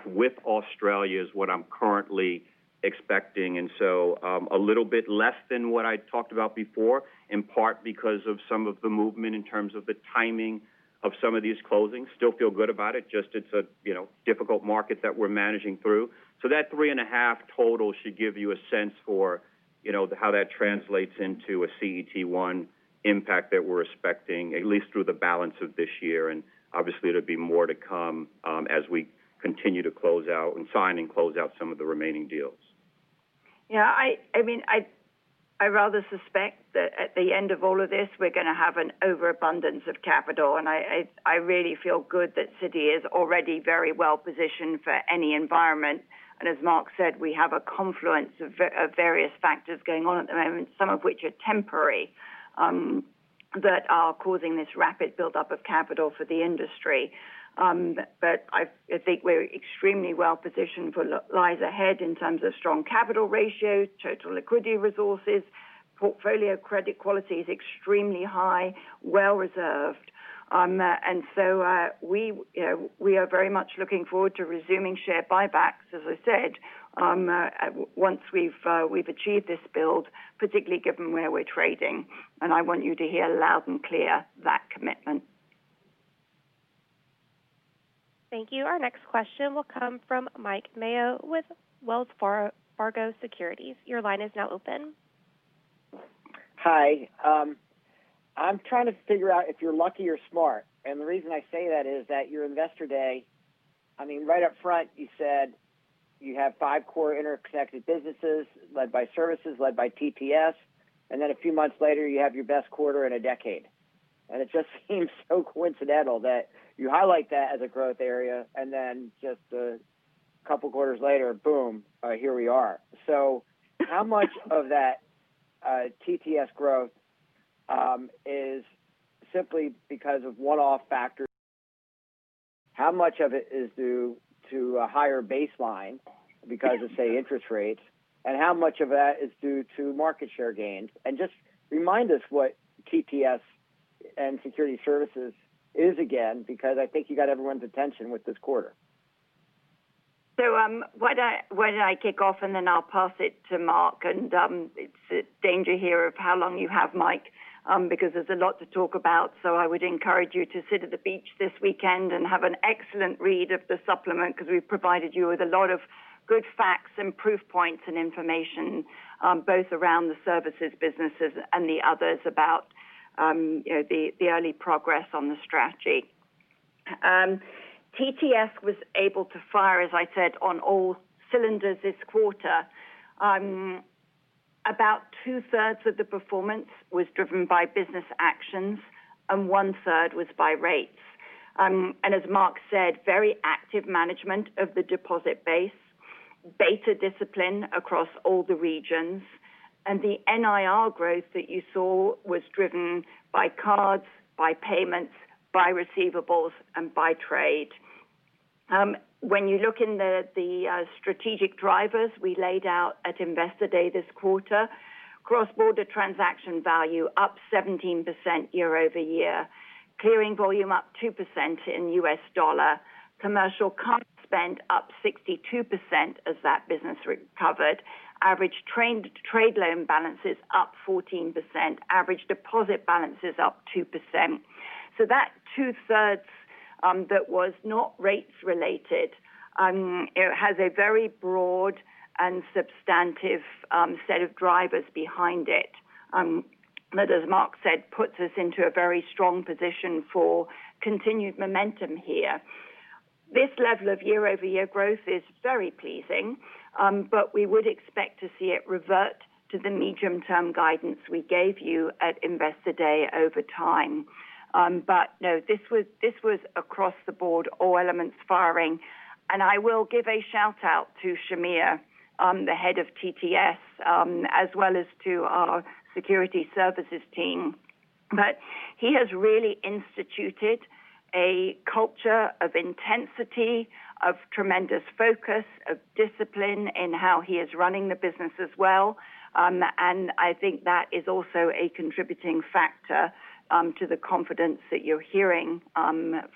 billion with Australia is what I'm currently expecting, and so, a little bit less than what I talked about before, in part because of some of the movement in terms of the timing of some of these closings. Still feel good about it, just it's a, you know, difficult market that we're managing through. So that $3.5 billion total should give you a sense for, you know, how that translates into a CET1 impact that we're expecting, at least through the balance of this year. Obviously, there'll be more to come, as we continue to close out and sign and close out some of the remaining deals. Yeah, I mean, I rather suspect that at the end of all of this, we're gonna have an overabundance of capital. I really feel good that Citi is already very well-positioned for any environment. As Mark said, we have a confluence of various factors going on at the moment, some of which are temporary, that are causing this rapid buildup of capital for the industry. I think we're extremely well-positioned for what lies ahead in terms of strong capital ratios, total liquidity resources, portfolio credit quality is extremely high, well reserved. You know, we are very much looking forward to resuming share buybacks, as I said, once we've achieved this build, particularly given where we're trading. I want you to hear loud and clear that commitment. Thank you. Our next question will come from Mike Mayo with Wells Fargo Securities. Your line is now open. Hi. I'm trying to figure out if you're lucky or smart. The reason I say that is that your Investor Day, I mean, right up front, you said you have five core interconnected businesses led by services, led by TTS. Then a few months later, you have your best quarter in a decade. It just seems so coincidental that you highlight that as a growth area, and then just a couple quarters later, boom, here we are. How much of that TTS growth is simply because of one-off factors? How much of it is due to a higher baseline because of, say, interest rates? How much of that is due to market share gains? Just remind us what TTS and Securities Services is again, because I think you got everyone's attention with this quarter. Why don't I kick off, and then I'll pass it to Mark. It's a danger here of how long you have, Mike, because there's a lot to talk about. I would encourage you to sit at the beach this weekend and have an excellent read of the supplement because we've provided you with a lot of good facts and proof points and information, both around the services businesses and the others about, you know, the early progress on the strategy. TTS was able to fire, as I said, on all cylinders this quarter. About two-thirds of the performance was driven by business actions, and one-third was by rates. As Mark said, very active management of the deposit base, beta discipline across all the regions. The NIR growth that you saw was driven by cards, by payments, by receivables, and by trade. When you look at the strategic drivers we laid out at Investor Day this quarter, cross-border transaction value up 17% year-over-year. Clearing volume up 2% in US dollar. Commercial card spend up 62% as that business recovered. Average trade loan balances up 14%. Average deposit balance is up 2%. That 2/3 that was not rates related, it has a very broad and substantive set of drivers behind it, that as Mark said, puts us into a very strong position for continued momentum here. This level of year-over-year growth is very pleasing, but we would expect to see it revert to the medium-term guidance we gave you at Investor Day over time. No, this was across the board, all elements firing. I will give a shout-out to Shamir, the head of TTS, as well as to our Securities Services team. He has really instituted a culture of intensity, of tremendous focus, of discipline in how he is running the business as well. I think that is also a contributing factor to the confidence that you're hearing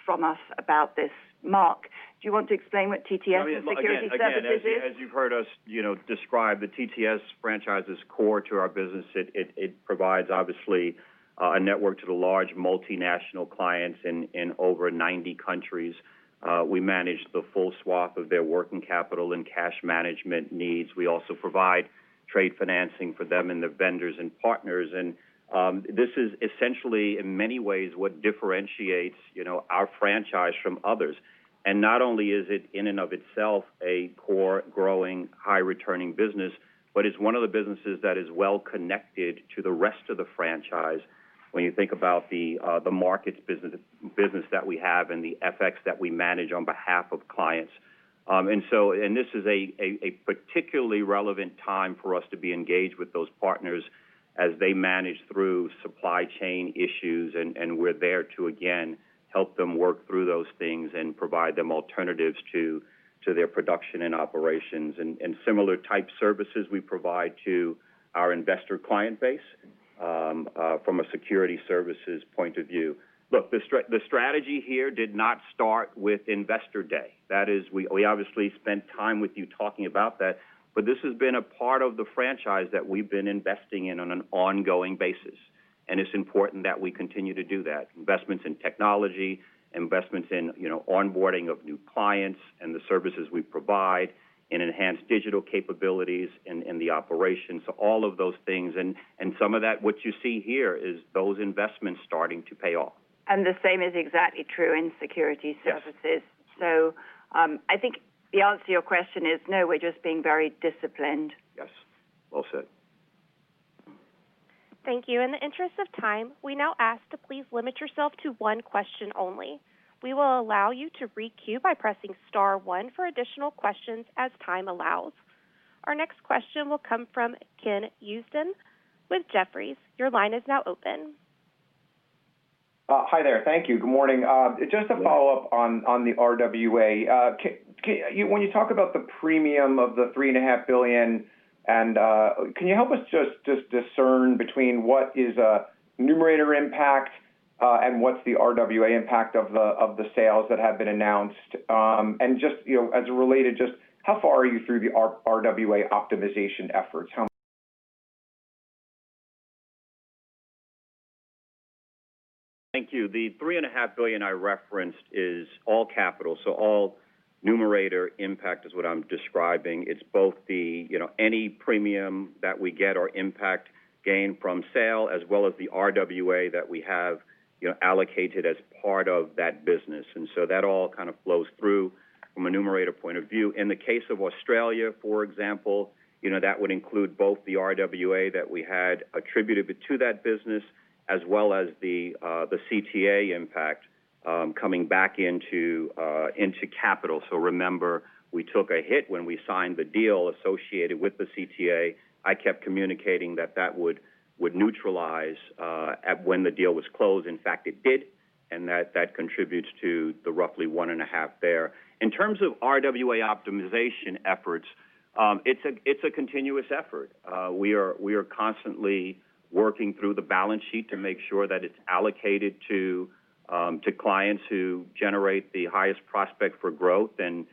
from us about this. Mark, do you want to explain what TTS and Securities Services is? Again, as you've heard us, you know, describe, the TTS franchise is core to our business. It provides obviously a network to the large multinational clients in over 90 countries. We manage the full sweep of their working capital and cash management needs. We also provide trade financing for them and their vendors and partners. This is essentially, in many ways, what differentiates, you know, our franchise from others. Not only is it in and of itself a core growing high returning business, but it's one of the businesses that is well connected to the rest of the franchise when you think about the markets business that we have and the FX that we manage on behalf of clients. This is a particularly relevant time for us to be engaged with those partners as they manage through supply chain issues, and we're there to again help them work through those things and provide them alternatives to their production and operations. Similar type services we provide to our investor client base, from a Securities Services point of view. Look, the strategy here did not start with Investor Day. That is, we obviously spent time with you talking about that. This has been a part of the franchise that we've been investing in on an ongoing basis, and it's important that we continue to do that. Investments in technology, investments in you know onboarding of new clients and the services we provide, and enhanced digital capabilities in the operations. All of those things. Some of that, what you see here is those investments starting to pay off. The same is exactly true in Securities Services. Yes. I think the answer to your question is no, we're just being very disciplined. Yes. Well said. Thank you. In the interest of time, we now ask to please limit yourself to one question only. We will allow you to re-queue by pressing star one for additional questions as time allows. Our next question will come from Ken Usdin with Jefferies. Your line is now open. Hi there. Thank you. Good morning. Just a follow-up on the RWA. When you talk about the premium of the $3.5 billion, and can you help us just discern between what is a numerator impact, and what's the RWA impact of the sales that have been announced? You know, as related, just how far are you through the RWA optimization efforts? How Thank you. The $3.5 billion I referenced is all capital. All numerator impact is what I'm describing. It's both the, you know, any premium that we get or impact gain from sale, as well as the RWA that we have, you know, allocated as part of that business. That all kind of flows through from a numerator point of view. In the case of Australia, for example, you know, that would include both the RWA that we had attributed to that business as well as the CTA impact coming back into capital. Remember, we took a hit when we signed the deal associated with the CTA. I kept communicating that that would neutralize when the deal was closed. In fact, it did. That contributes to the roughly $1.5 billion there. In terms of RWA optimization efforts, it's a continuous effort. We are constantly working through the balance sheet to make sure that it's allocated to clients who generate the highest prospect for growth and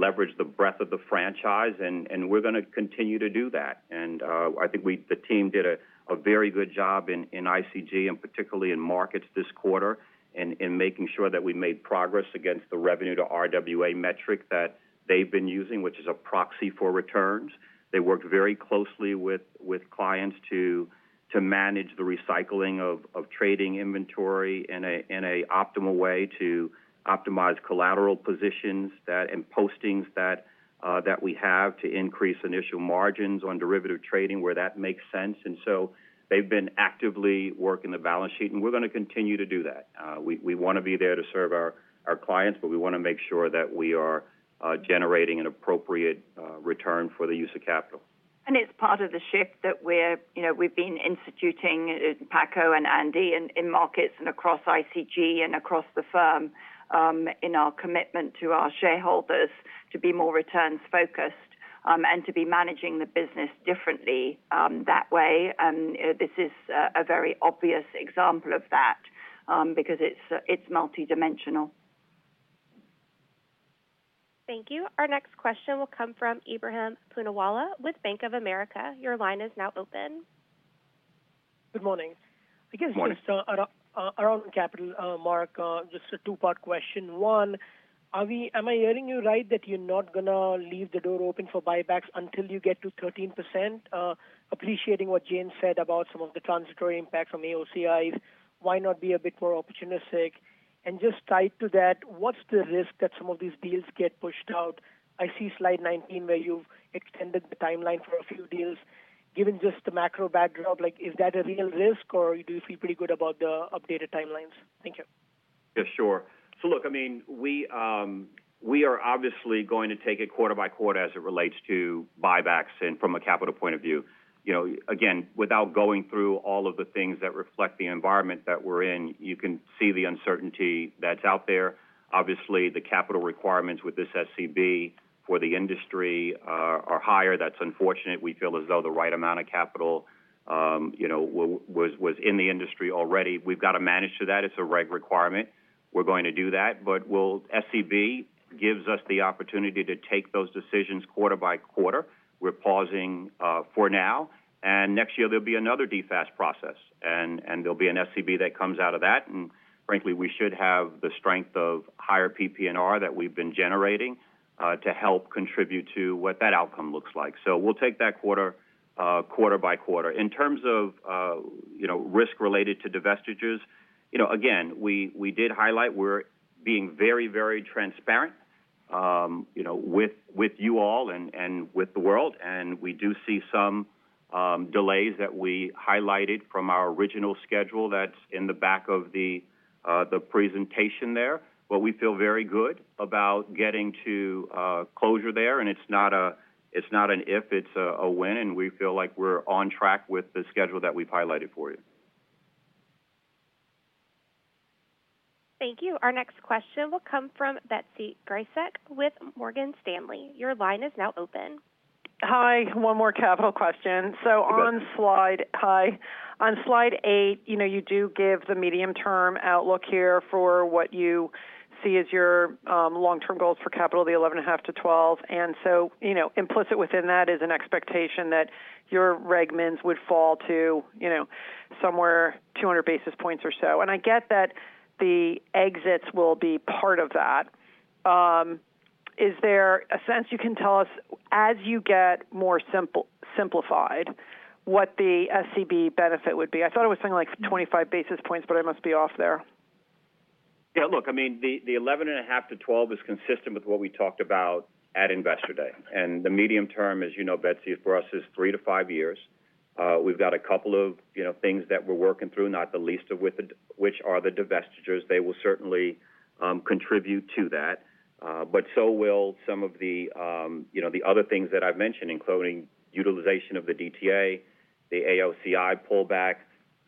leverage the breadth of the franchise. We're going to continue to do that. I think the team did a very good job in ICG and particularly in markets this quarter in making sure that we made progress against the revenue to RWA metric that they've been using, which is a proxy for returns. They worked very closely with clients to manage the recycling of trading inventory in an optimal way to optimize collateral positions and postings that we have to increase initial margins on derivative trading where that makes sense. They've been actively working the balance sheet, and we're going to continue to do that. We want to be there to serve our clients, but we want to make sure that we are generating an appropriate return for the use of capital. It's part of the shift that we're, you know, we've been instituting, Paco and Andy in markets and across ICG and across the firm, in our commitment to our shareholders to be more returns-focused, and to be managing the business differently, that way. This is a very obvious example of that, because it's multidimensional. Thank you. Our next question will come from Ebrahim Poonawala with Bank of America. Your line is now open. Good morning. Good morning. I guess just around capital, Mark, just a two-part question. One, am I hearing you right that you're not going to leave the door open for buybacks until you get to 13%? Appreciating what Jane said about some of the transitory impact from AOCIs, why not be a bit more opportunistic? Just tied to that, what's the risk that some of these deals get pushed out? I see slide 19 where you've extended the timeline for a few deals. Given just the macro backdrop, like, is that a real risk or do you feel pretty good about the updated timelines? Thank you. Yeah, sure. Look, I mean, we are obviously going to take it quarter by quarter as it relates to buybacks and from a capital point of view. You know, again, without going through all of the things that reflect the environment that we're in, you can see the uncertainty that's out there. Obviously, the capital requirements with this SCB for the industry are higher. That's unfortunate. We feel as though the right amount of capital, you know, was in the industry already. We've got to manage to that. It's a reg requirement. We're going to do that. SCB gives us the opportunity to take those decisions quarter by quarter. We're pausing for now. Next year, there'll be another DFAST process, and there'll be an SCB that comes out of that. Frankly, we should have the strength of higher PPNR that we've been generating to help contribute to what that outcome looks like. We'll take that quarter by quarter. In terms of, you know, risk related to divestitures, you know, again, we did highlight we're being very, very transparent, you know, with you all and with the world. We do see some delays that we highlighted from our original schedule that's in the back of the presentation there. We feel very good about getting to closure there. It's not an if, it's a when. We feel like we're on track with the schedule that we've highlighted for you. Thank you. Our next question will come from Betsy Graseck with Morgan Stanley. Your line is now open. Hi. One more capital question? You got it. On slide eight, you know, you do give the medium-term outlook here for what you see as your, long-term goals for capital, the 11.5%-12%. You know, implicit within that is an expectation that your reg mins would fall to, you know, somewhere 200 basis points or so. I get that the exits will be part of that. Is there a sense you can tell us as you get more simplified what the SCB benefit would be? I thought it was something like 25 basis points, but I must be off there. Yeah, look, I mean, the 11.5%-12% is consistent with what we talked about at Investor Day. The medium term, as you know, Betsy, for us is three to five years. We've got a couple of, you know, things that we're working through, not the least of which are the divestitures. They will certainly contribute to that. But so will some of the, you know, the other things that I've mentioned, including utilization of the DTA, the AOCI pullback,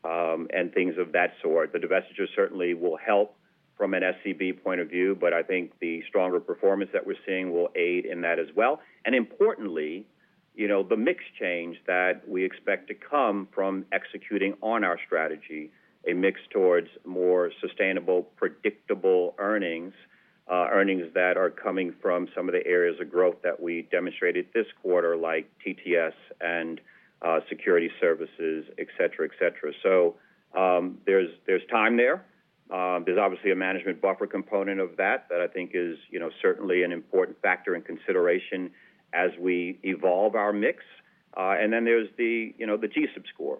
and things of that sort. The divestitures certainly will help from an SCB point of view, but I think the stronger performance that we're seeing will aid in that as well. Importantly, you know, the mix change that we expect to come from executing on our strategy, a mix towards more sustainable, predictable earnings that are coming from some of the areas of growth that we demonstrated this quarter, like TTS and Securities Services, et cetera, et cetera. There's time there. There's obviously a management buffer component of that I think is, you know, certainly an important factor and consideration as we evolve our mix. There's the, you know, the GSIB score.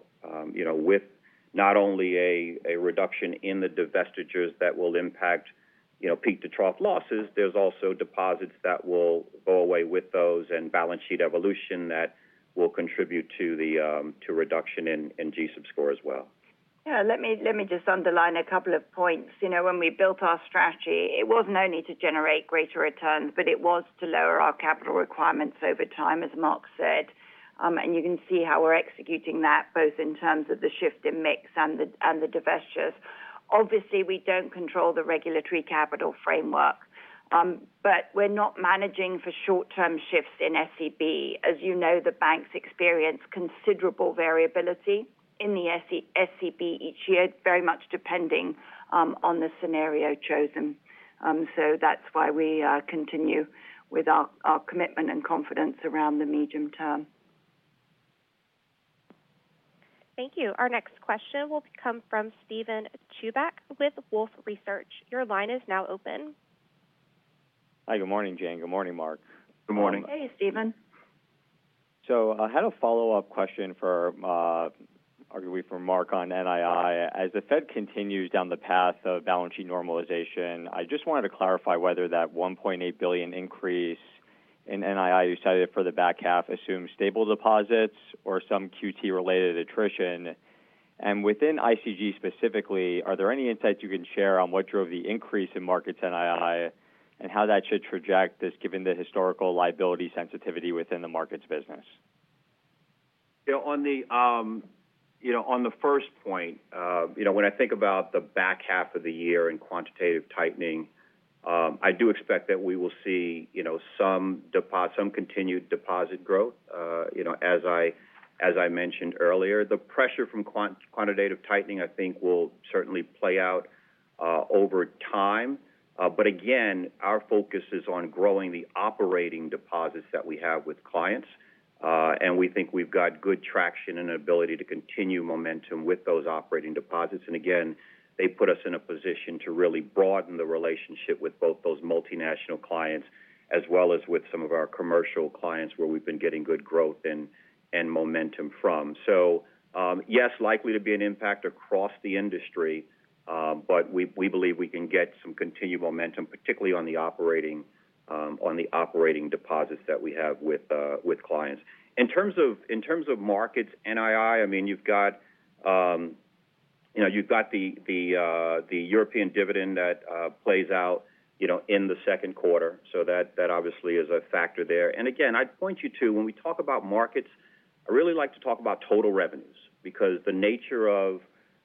You know, with not only a reduction in the divestitures that will impact, you know, peak-to-trough losses, there's also deposits that will go away with those and balance sheet evolution that will contribute to the, to reduction in GSIB score as well. Yeah, let me just underline a couple of points. You know, when we built our strategy, it wasn't only to generate greater returns, but it was to lower our capital requirements over time, as Mark said. You can see how we're executing that both in terms of the shift in mix and the divestitures. Obviously, we don't control the regulatory capital framework, but we're not managing for short-term shifts in SCB. As you know, the banks experience considerable variability in the SCB each year, very much depending on the scenario chosen. That's why we continue with our commitment and confidence around the medium term. Thank you. Our next question will come from Steven Chubak with Wolfe Research. Your line is now open. Hi, good morning, Jane. Good morning, Mark. Good morning. Hey, Steven. I had a follow-up question for, arguably for Mark on NII. As the Fed continues down the path of balance sheet normalization, I just wanted to clarify whether that $1.8 billion increase in NII you cited for the back half assumes stable deposits or some QT-related attrition. Within ICG specifically, are there any insights you can share on what drove the increase in markets NII and how that should project this given the historical liability sensitivity within the markets business? Yeah, on the, you know, on the first point, you know, when I think about the back half of the year in quantitative tightening, I do expect that we will see, you know, some continued deposit growth, you know, as I mentioned earlier. The pressure from quantitative tightening, I think, will certainly play out over time. Again, our focus is on growing the operating deposits that we have with clients. We think we've got good traction and ability to continue momentum with those operating deposits. Again, they put us in a position to really broaden the relationship with both those multinational clients as well as with some of our commercial clients where we've been getting good growth and momentum from. Yes, likely to be an impact across the industry, but we believe we can get some continued momentum, particularly on the operating deposits that we have with clients. In terms of markets NII, I mean, you've got, you know, you've got the European dividend that plays out, you know, in the second quarter. That obviously is a factor there. Again, I'd point you to when we talk about markets. I really like to talk about total revenues because the nature of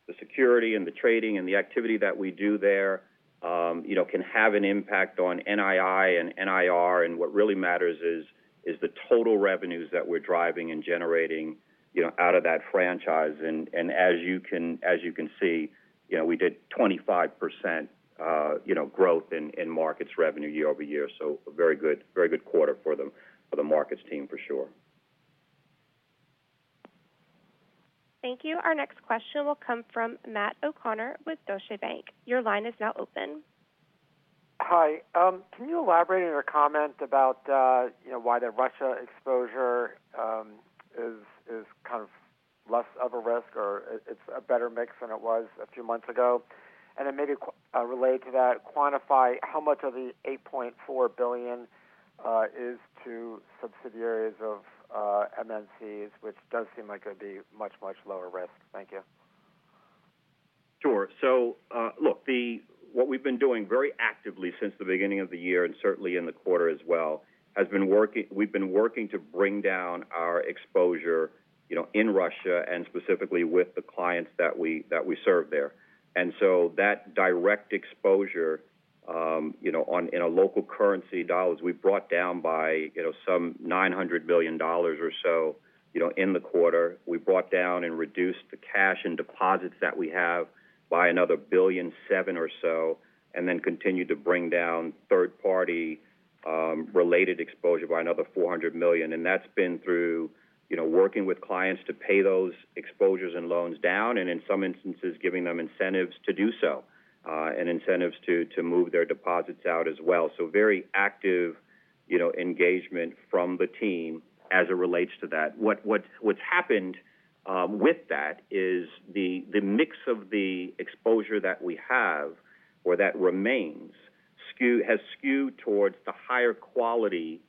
the securities and the trading and the activity that we do there, you know, can have an impact on NII and NIR. What really matters is the total revenues that we're driving and generating, you know, out of that franchise. As you can see, you know, we did 25% growth in markets revenue year-over-year. A very good quarter for the markets team for sure. Thank you. Our next question will come from Matt O'Connor with Deutsche Bank. Your line is now open. Hi. Can you elaborate on your comment about, you know, why the Russia exposure is kind of less of a risk or it's a better mix than it was a few months ago? Then maybe related to that, quantify how much of the $8.4 billion is to subsidiaries of MNCs, which does seem like it'd be much, much lower risk. Thank you. Sure. Look, what we've been doing very actively since the beginning of the year and certainly in the quarter as well has been we've been working to bring down our exposure, you know, in Russia and specifically with the clients that we serve there. That direct exposure, you know, in a local currency dollars, we brought down by, you know, some $900 billion or so, you know, in the quarter. We brought down and reduced the cash and deposits that we have by another $1.7 billion or so, and then continued to bring down third-party related exposure by another $400 million. That's been through, you know, working with clients to pay those exposures and loans down, and in some instances, giving them incentives to do so, and incentives to move their deposits out as well. Very active, you know, engagement from the team as it relates to that. What's happened with that is the mix of the exposure that we have or that remains has skewed towards the higher quality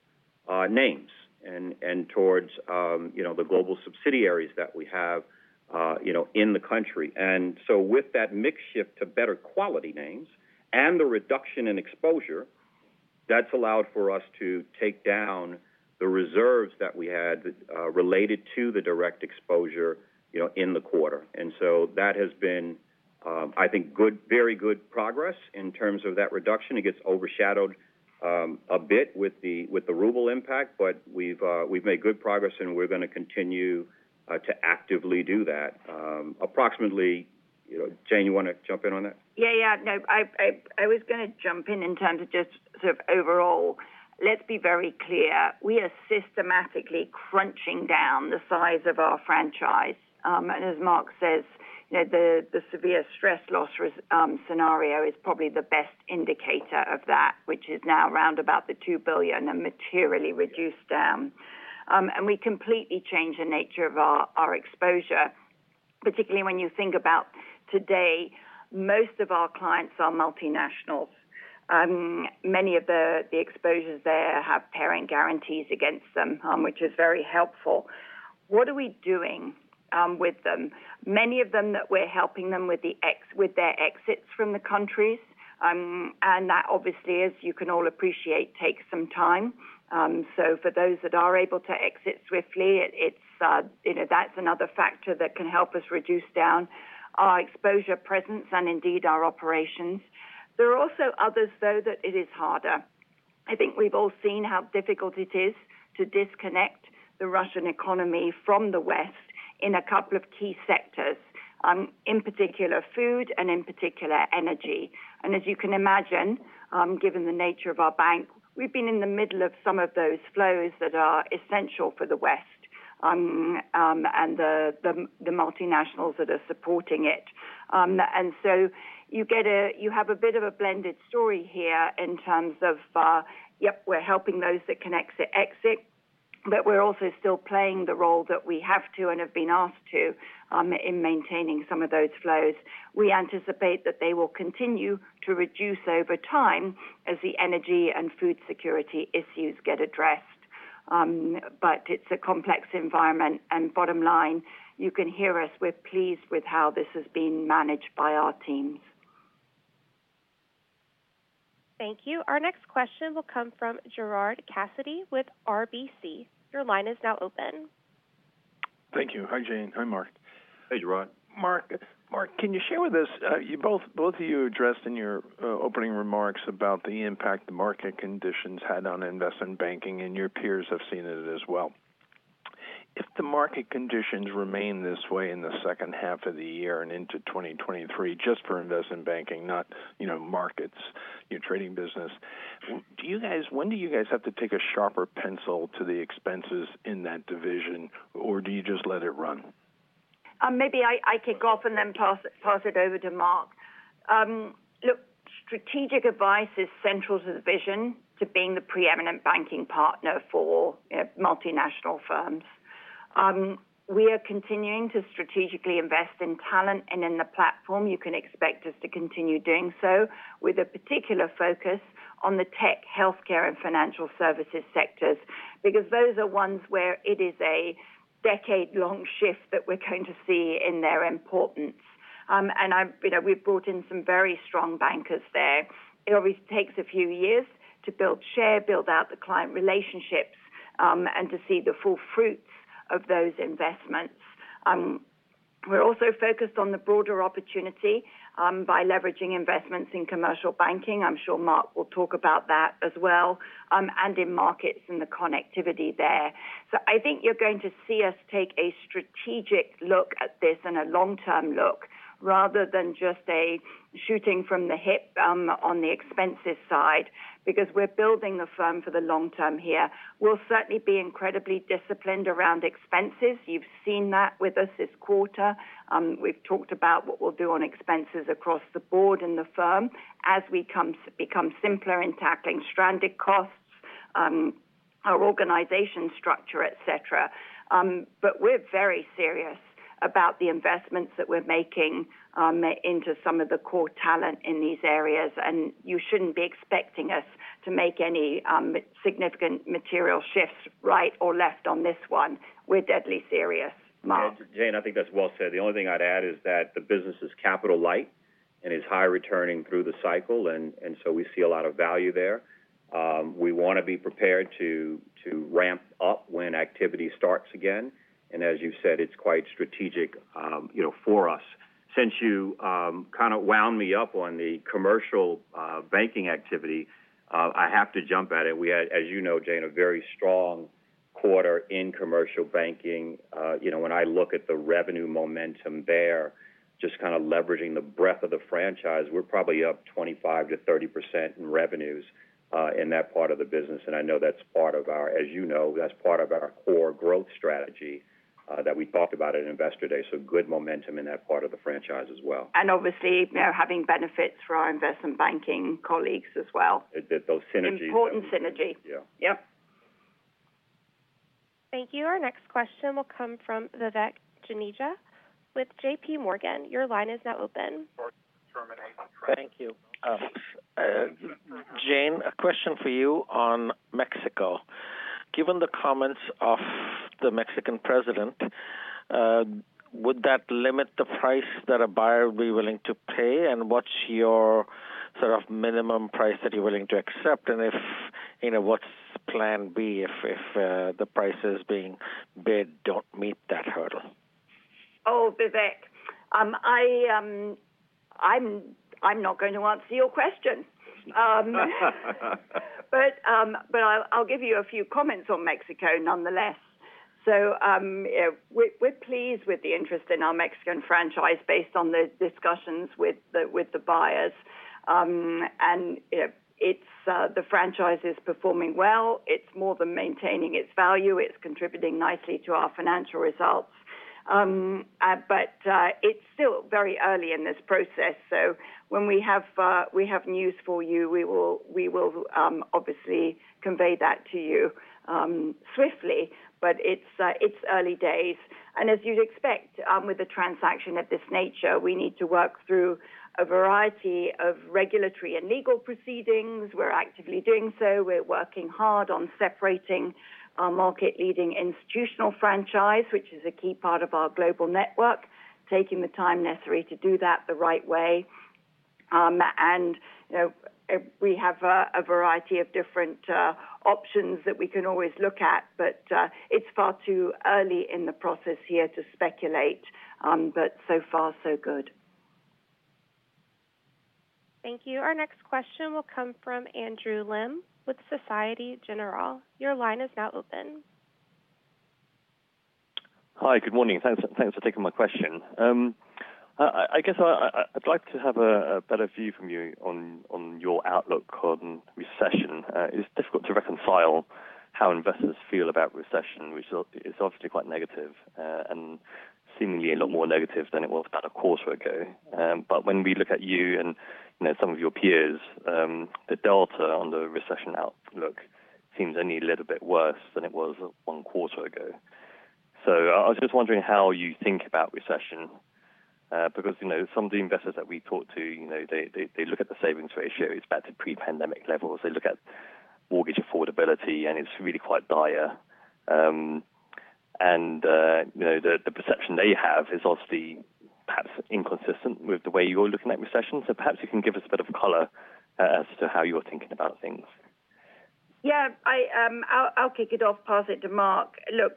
names and towards, you know, the global subsidiaries that we have, you know, in the country. With that mix shift to better quality names and the reduction in exposure, that's allowed for us to take down the reserves that we had related to the direct exposure, you know, in the quarter. That has been, I think, good, very good progress in terms of that reduction. It gets overshadowed a bit with the ruble impact, but we've made good progress, and we're gonna continue to actively do that. Jane, you wanna jump in on that? Yeah, yeah. No, I was gonna jump in in terms of just sort of overall, let's be very clear. We are systematically crunching down the size of our franchise. As Mark says, you know, the severe stress loss scenario is probably the best indicator of that, which is now around about $2 billion and materially reduced down. We completely change the nature of our exposure, particularly when you think about today, most of our clients are multinationals. Many of the exposures there have parent guarantees against them, which is very helpful. What are we doing with them? Many of them that we're helping them with their exits from the countries. That obviously, as you can all appreciate, takes some time. For those that are able to exit swiftly, it's, you know, that's another factor that can help us reduce down our exposure presence and indeed our operations. There are also others, though, that it is harder. I think we've all seen how difficult it is to disconnect the Russian economy from the West in a couple of key sectors, in particular food and in particular energy. As you can imagine, given the nature of our bank, we've been in the middle of some of those flows that are essential for the West, and the multinationals that are supporting it. You have a bit of a blended story here in terms of, yep, we're helping those that can exit, but we're also still playing the role that we have to and have been asked to, in maintaining some of those flows. We anticipate that they will continue to reduce over time as the energy and food security issues get addressed. It's a complex environment. Bottom line, you can hear us, we're pleased with how this has been managed by our teams. Thank you. Our next question will come from Gerard Cassidy with RBC. Your line is now open. Thank you. Hi, Jane. Hi, Mark. Hey, Gerard. Mark, can you share with us, both of you addressed in your opening remarks about the impact the market conditions had on Investment Banking, and your peers have seen it as well. If the market conditions remain this way in the second half of the year and into 2023, just for Investment Banking, not, you know, markets, your trading business, when do you guys have to take a sharper pencil to the expenses in that division, or do you just let it run? Maybe I kick off and then pass it over to Mark. Look, strategic advice is central to the vision to being the preeminent banking partner for, you know, multinational firms. We are continuing to strategically invest in talent and in the platform. You can expect us to continue doing so with a particular focus on the tech, healthcare, and financial services sectors, because those are ones where it is a decade-long shift that we're going to see in their importance. You know, we've brought in some very strong bankers there. It always takes a few years to build share, build out the client relationships, and to see the full fruits of those investments. We're also focused on the broader opportunity by leveraging investments in commercial banking. I'm sure Mark will talk about that as well, and in markets and the connectivity there. I think you're going to see us take a strategic look at this and a long-term look rather than just a shooting from the hip, on the expenses side, because we're building the firm for the long term here. We'll certainly be incredibly disciplined around expenses. You've seen that with us this quarter. We've talked about what we'll do on expenses across the board in the firm as we become simpler in tackling stranded costs, our organization structure, et cetera. We're very serious about the investments that we're making, into some of the core talent in these areas, and you shouldn't be expecting us to make any, significant material shifts right or left on this one. We're deadly serious, Mark. Jane, I think that's well said. The only thing I'd add is that the business is capital light and is high returning through the cycle, and so we see a lot of value there. We wanna be prepared to ramp up when activity starts again. As you said, it's quite strategic, you know, for us. Since you kind of wound me up on the commercial banking activity, I have to jump at it. We had, as you know, Jane, a very strong quarter in commercial banking. You know, when I look at the revenue momentum there, just kinda leveraging the breadth of the franchise, we're probably up 25%-30% in revenues in that part of the business. I know that's part of our, as you know, that's part of our core growth strategy that we talked about at Investor Day. Good momentum in that part of the franchise as well. Obviously, they're having benefits for our Investment Banking colleagues as well. Those synergies. Important synergy. Yeah. Yep. Thank you. Our next question will come from Vivek Juneja with JPMorgan. Your line is now open. Thank you. Jane, a question for you on Mexico. Given the comments of the Mexican president, would that limit the price that a buyer would be willing to pay? What's your sort of minimum price that you're willing to accept? If you know, what's plan B if the prices being bid don't meet that hurdle? Oh, Vivek. I'm not going to answer your question. I'll give you a few comments on Mexico nonetheless. We're pleased with the interest in our Mexican franchise based on the discussions with the buyers. The franchise is performing well. It's more than maintaining its value. It's contributing nicely to our financial results. It's still very early in this process, when we have news for you, we will obviously convey that to you swiftly. It's early days. As you'd expect, with a transaction of this nature, we need to work through a variety of regulatory and legal proceedings. We're actively doing so. We're working hard on separating our market-leading institutional franchise, which is a key part of our global network, taking the time necessary to do that the right way. You know, we have a variety of different options that we can always look at, but it's far too early in the process here to speculate. So far so good. Thank you. Our next question will come from Andrew Lim with Société Générale. Your line is now open. Hi. Good morning. Thanks for taking my question. I guess I'd like to have a better view from you on your outlook on recession. It's difficult to reconcile how investors feel about recession, which is obviously quite negative, and seemingly a lot more negative than it was about a quarter ago. But when we look at you and, you know, some of your peers, the delta on the recession outlook seems only a little bit worse than it was one quarter ago. I was just wondering how you think about recession, because, you know, some of the investors that we talk to, you know, they look at the savings ratio, it's back to pre-pandemic levels. They look at mortgage affordability, and it's really quite dire. you know, the perception they have is obviously perhaps inconsistent with the way you're looking at recession. Perhaps you can give us a bit of color as to how you're thinking about things. Yeah. I'll kick it off, pass it to Mark. Look,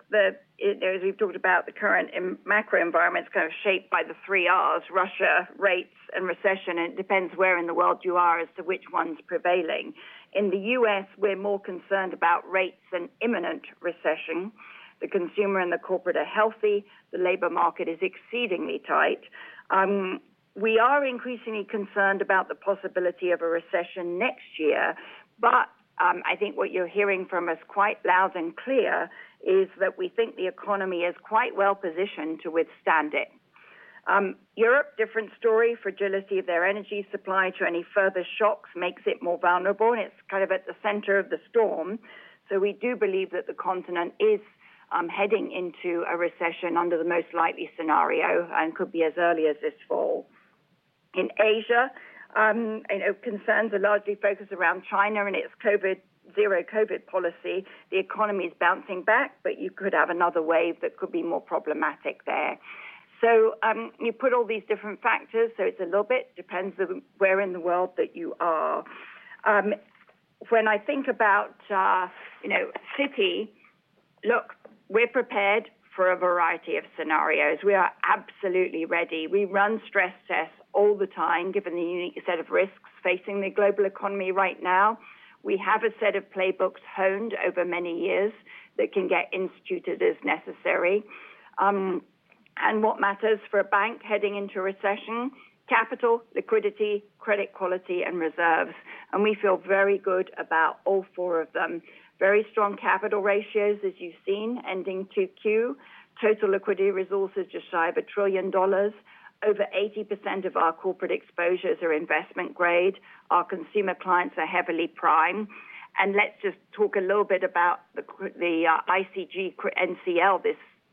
you know, as we've talked about the current macro environment, it's kind of shaped by the three Rs, Russia, rates, and recession. It depends where in the world you are as to which one's prevailing. In the U.S., we're more concerned about rates than imminent recession. The consumer and the corporate are healthy. The labor market is exceedingly tight. We are increasingly concerned about the possibility of a recession next year. I think what you're hearing from us quite loud and clear is that we think the economy is quite well positioned to withstand it. Europe, different story. Fragility of their energy supply to any further shocks makes it more vulnerable, and it's kind of at the center of the storm. We do believe that the continent is heading into a recession under the most likely scenario and could be as early as this fall. In Asia, you know, concerns are largely focused around China and its zero-COVID policy. The economy is bouncing back, but you could have another wave that could be more problematic there. You put all these different factors, so it's a little bit depends on where in the world that you are. When I think about, you know, Citi, look, we're prepared for a variety of scenarios. We are absolutely ready. We run stress tests all the time, given the unique set of risks facing the global economy right now. We have a set of playbooks honed over many years that can get instituted as necessary. What matters for a bank heading into recession: capital, liquidity, credit quality, and reserves. We feel very good about all four of them. Very strong capital ratios, as you've seen, ending 2Q. Total liquidity resources just shy of $1 trillion. Over 80% of our corporate exposures are investment grade. Our consumer clients are heavily prime. Let's just talk a little bit about the ICG NCL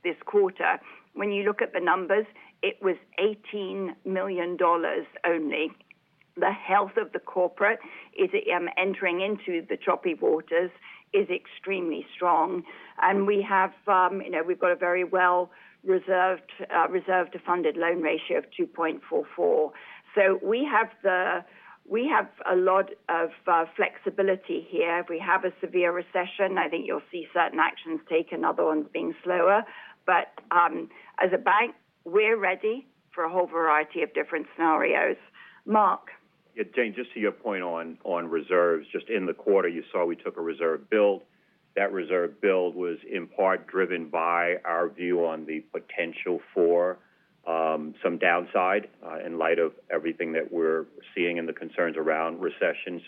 this quarter. When you look at the numbers, it was $18 million only. The health of the corporate, entering into the choppy waters, is extremely strong. We have, you know, we've got a very well reserved to funded loan ratio of 2.44. So we have a lot of flexibility here. If we have a severe recession, I think you'll see certain actions taken, other ones being slower. As a bank, we're ready for a whole variety of different scenarios. Mark. Yeah, Jane, just to your point on reserves, just in the quarter, you saw we took a reserve build. That reserve build was in part driven by our view on the potential for some downside in light of everything that we're seeing and the concerns around recession.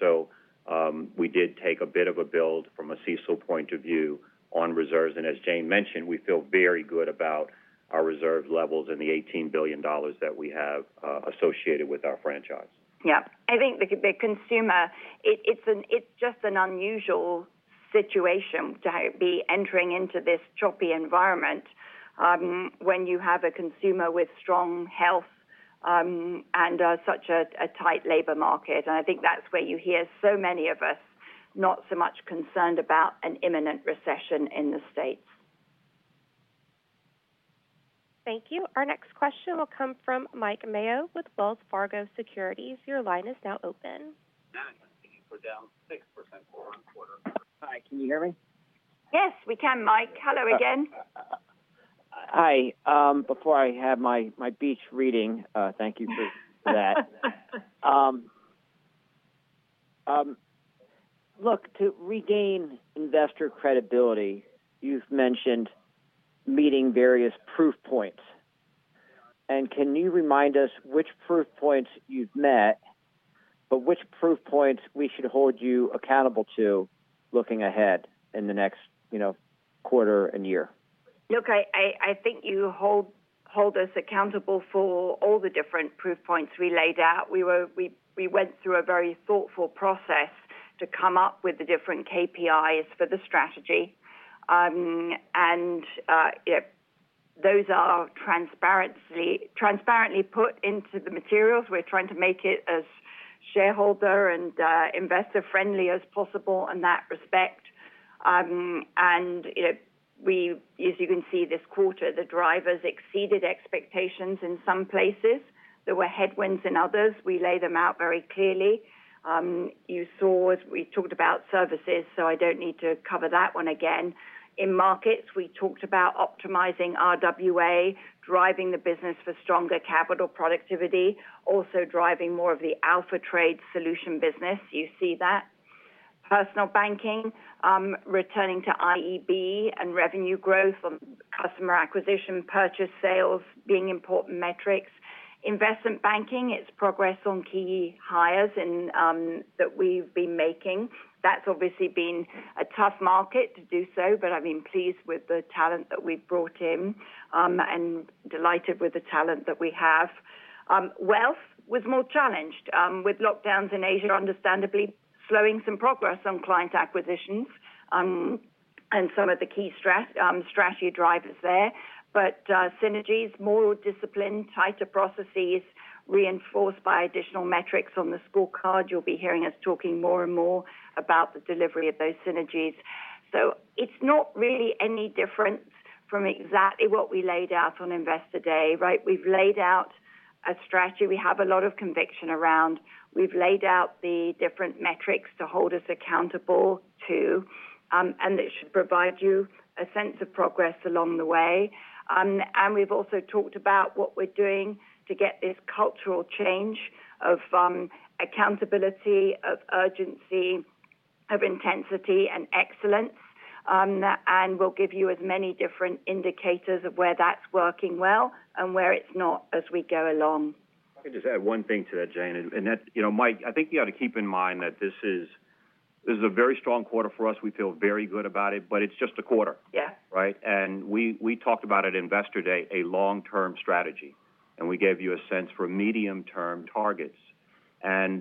We did take a bit of a build from a CECL point of view on reserves. As Jane mentioned, we feel very good about our reserve levels and the $18 billion that we have associated with our franchise. Yeah. I think the consumer, it's just an unusual situation to be entering into this choppy environment, when you have a consumer with strong health, and such a tight labor market. I think that's where you hear so many of us not so much concerned about an imminent recession in the States. Thank you. Our next question will come from Mike Mayo with Wells Fargo Securities. Your line is now open. Down 6% for one quarter. Hi, can you hear me? Yes, we can, Mike. Hello again. Hi. Before I have my beach reading, thank you for that. Look, to regain investor credibility, you've mentioned meeting various proof points. Can you remind us which proof points you've met, but which proof points we should hold you accountable to looking ahead in the next, you know, quarter and year? Look, I think you hold us accountable for all the different proof points we laid out. We went through a very thoughtful process to come up with the different KPIs for the strategy. You know, those are transparently put into the materials. We're trying to make it as shareholder and investor friendly as possible in that respect. You know, as you can see this quarter, the drivers exceeded expectations in some places. There were headwinds in others. We lay them out very clearly. You saw as we talked about services. I don't need to cover that one again. In markets, we talked about optimizing RWA, driving the business for stronger capital productivity, also driving more of the alpha trade solution business. You see that. Personal banking, returning to IEB and revenue growth on customer acquisition, purchase sales being important metrics. Investment banking, it's progress on key hires and that we've been making. That's obviously been a tough market to do so, but I've been pleased with the talent that we've brought in and delighted with the talent that we have. Wealth was more challenged with lockdowns in Asia understandably slowing some progress on client acquisitions and some of the key strategy drivers there. Synergies, more discipline, tighter processes reinforced by additional metrics on the scorecard. You'll be hearing us talking more and more about the delivery of those synergies. It's not really any different from exactly what we laid out on Investor Day, right? We've laid out a strategy we have a lot of conviction around. We've laid out the different metrics to hold us accountable to, and that should provide you a sense of progress along the way. We've also talked about what we're doing to get this cultural change of, accountability, of urgency, of intensity, and excellence. We'll give you as many different indicators of where that's working well and where it's not as we go along. Let me just add one thing to that, Jane. That, you know, Mike, I think you ought to keep in mind that this is a very strong quarter for us. We feel very good about it, but it's just a quarter. Yeah. Right? We talked about at Investor Day a long-term strategy, and we gave you a sense for medium-term targets.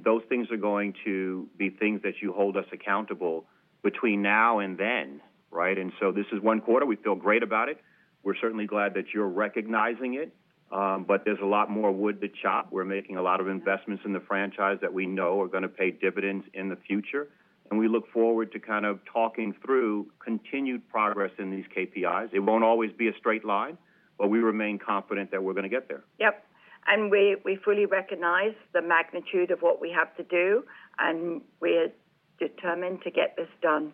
Those things are going to be things that you hold us accountable between now and then, right? This is one quarter. We feel great about it. We're certainly glad that you're recognizing it. But there's a lot more wood to chop. We're making a lot of investments in the franchise that we know are gonna pay dividends in the future, and we look forward to kind of talking through continued progress in these KPIs. It won't always be a straight line, but we remain confident that we're gonna get there. Yep. We fully recognize the magnitude of what we have to do, and we're determined to get this done.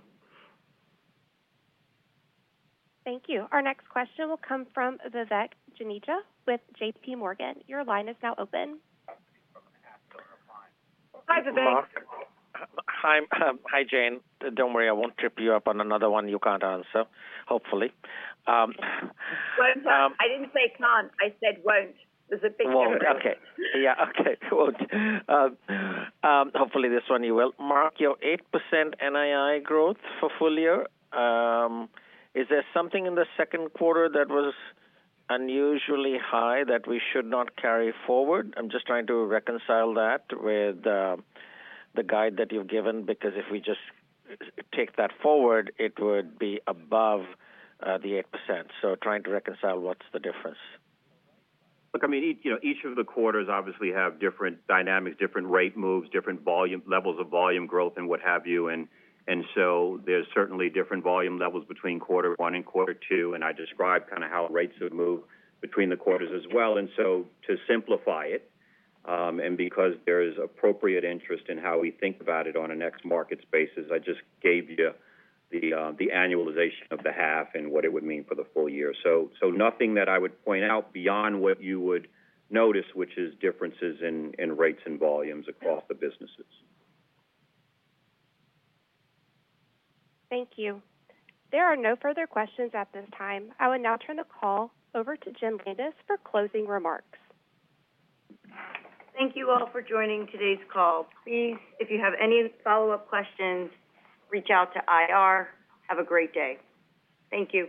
Thank you. Our next question will come from Vivek Juneja with JPMorgan. Your line is now open. Hi, Vivek. Hi, Jane. Don't worry, I won't trip you up on another one you can't answer, hopefully. Well, I didn't say can't. I said won't. There's a big difference. Hopefully, this one you will. Mark, your 8% NII growth for full year, is there something in the second quarter that was unusually high that we should not carry forward? I'm just trying to reconcile that with the guide that you've given because if we just take that forward, it would be above the 8%. Trying to reconcile what's the difference. Look, I mean, you know, each of the quarters obviously have different dynamics, different rate moves, different volume levels of volume growth and what have you. There's certainly different volume levels between quarter one and quarter two. I described kind of how rates have moved between the quarters as well. To simplify it, and because there is appropriate interest in how we think about it on a net margins basis, I just gave you the annualization of the half and what it would mean for the full year. Nothing that I would point out beyond what you would notice, which is differences in rates and volumes across the businesses. Thank you. There are no further questions at this time. I will now turn the call over to Jenn Landis for closing remarks. Thank you all for joining today's call. Please, if you have any follow-up questions, reach out to IR. Have a great day. Thank you.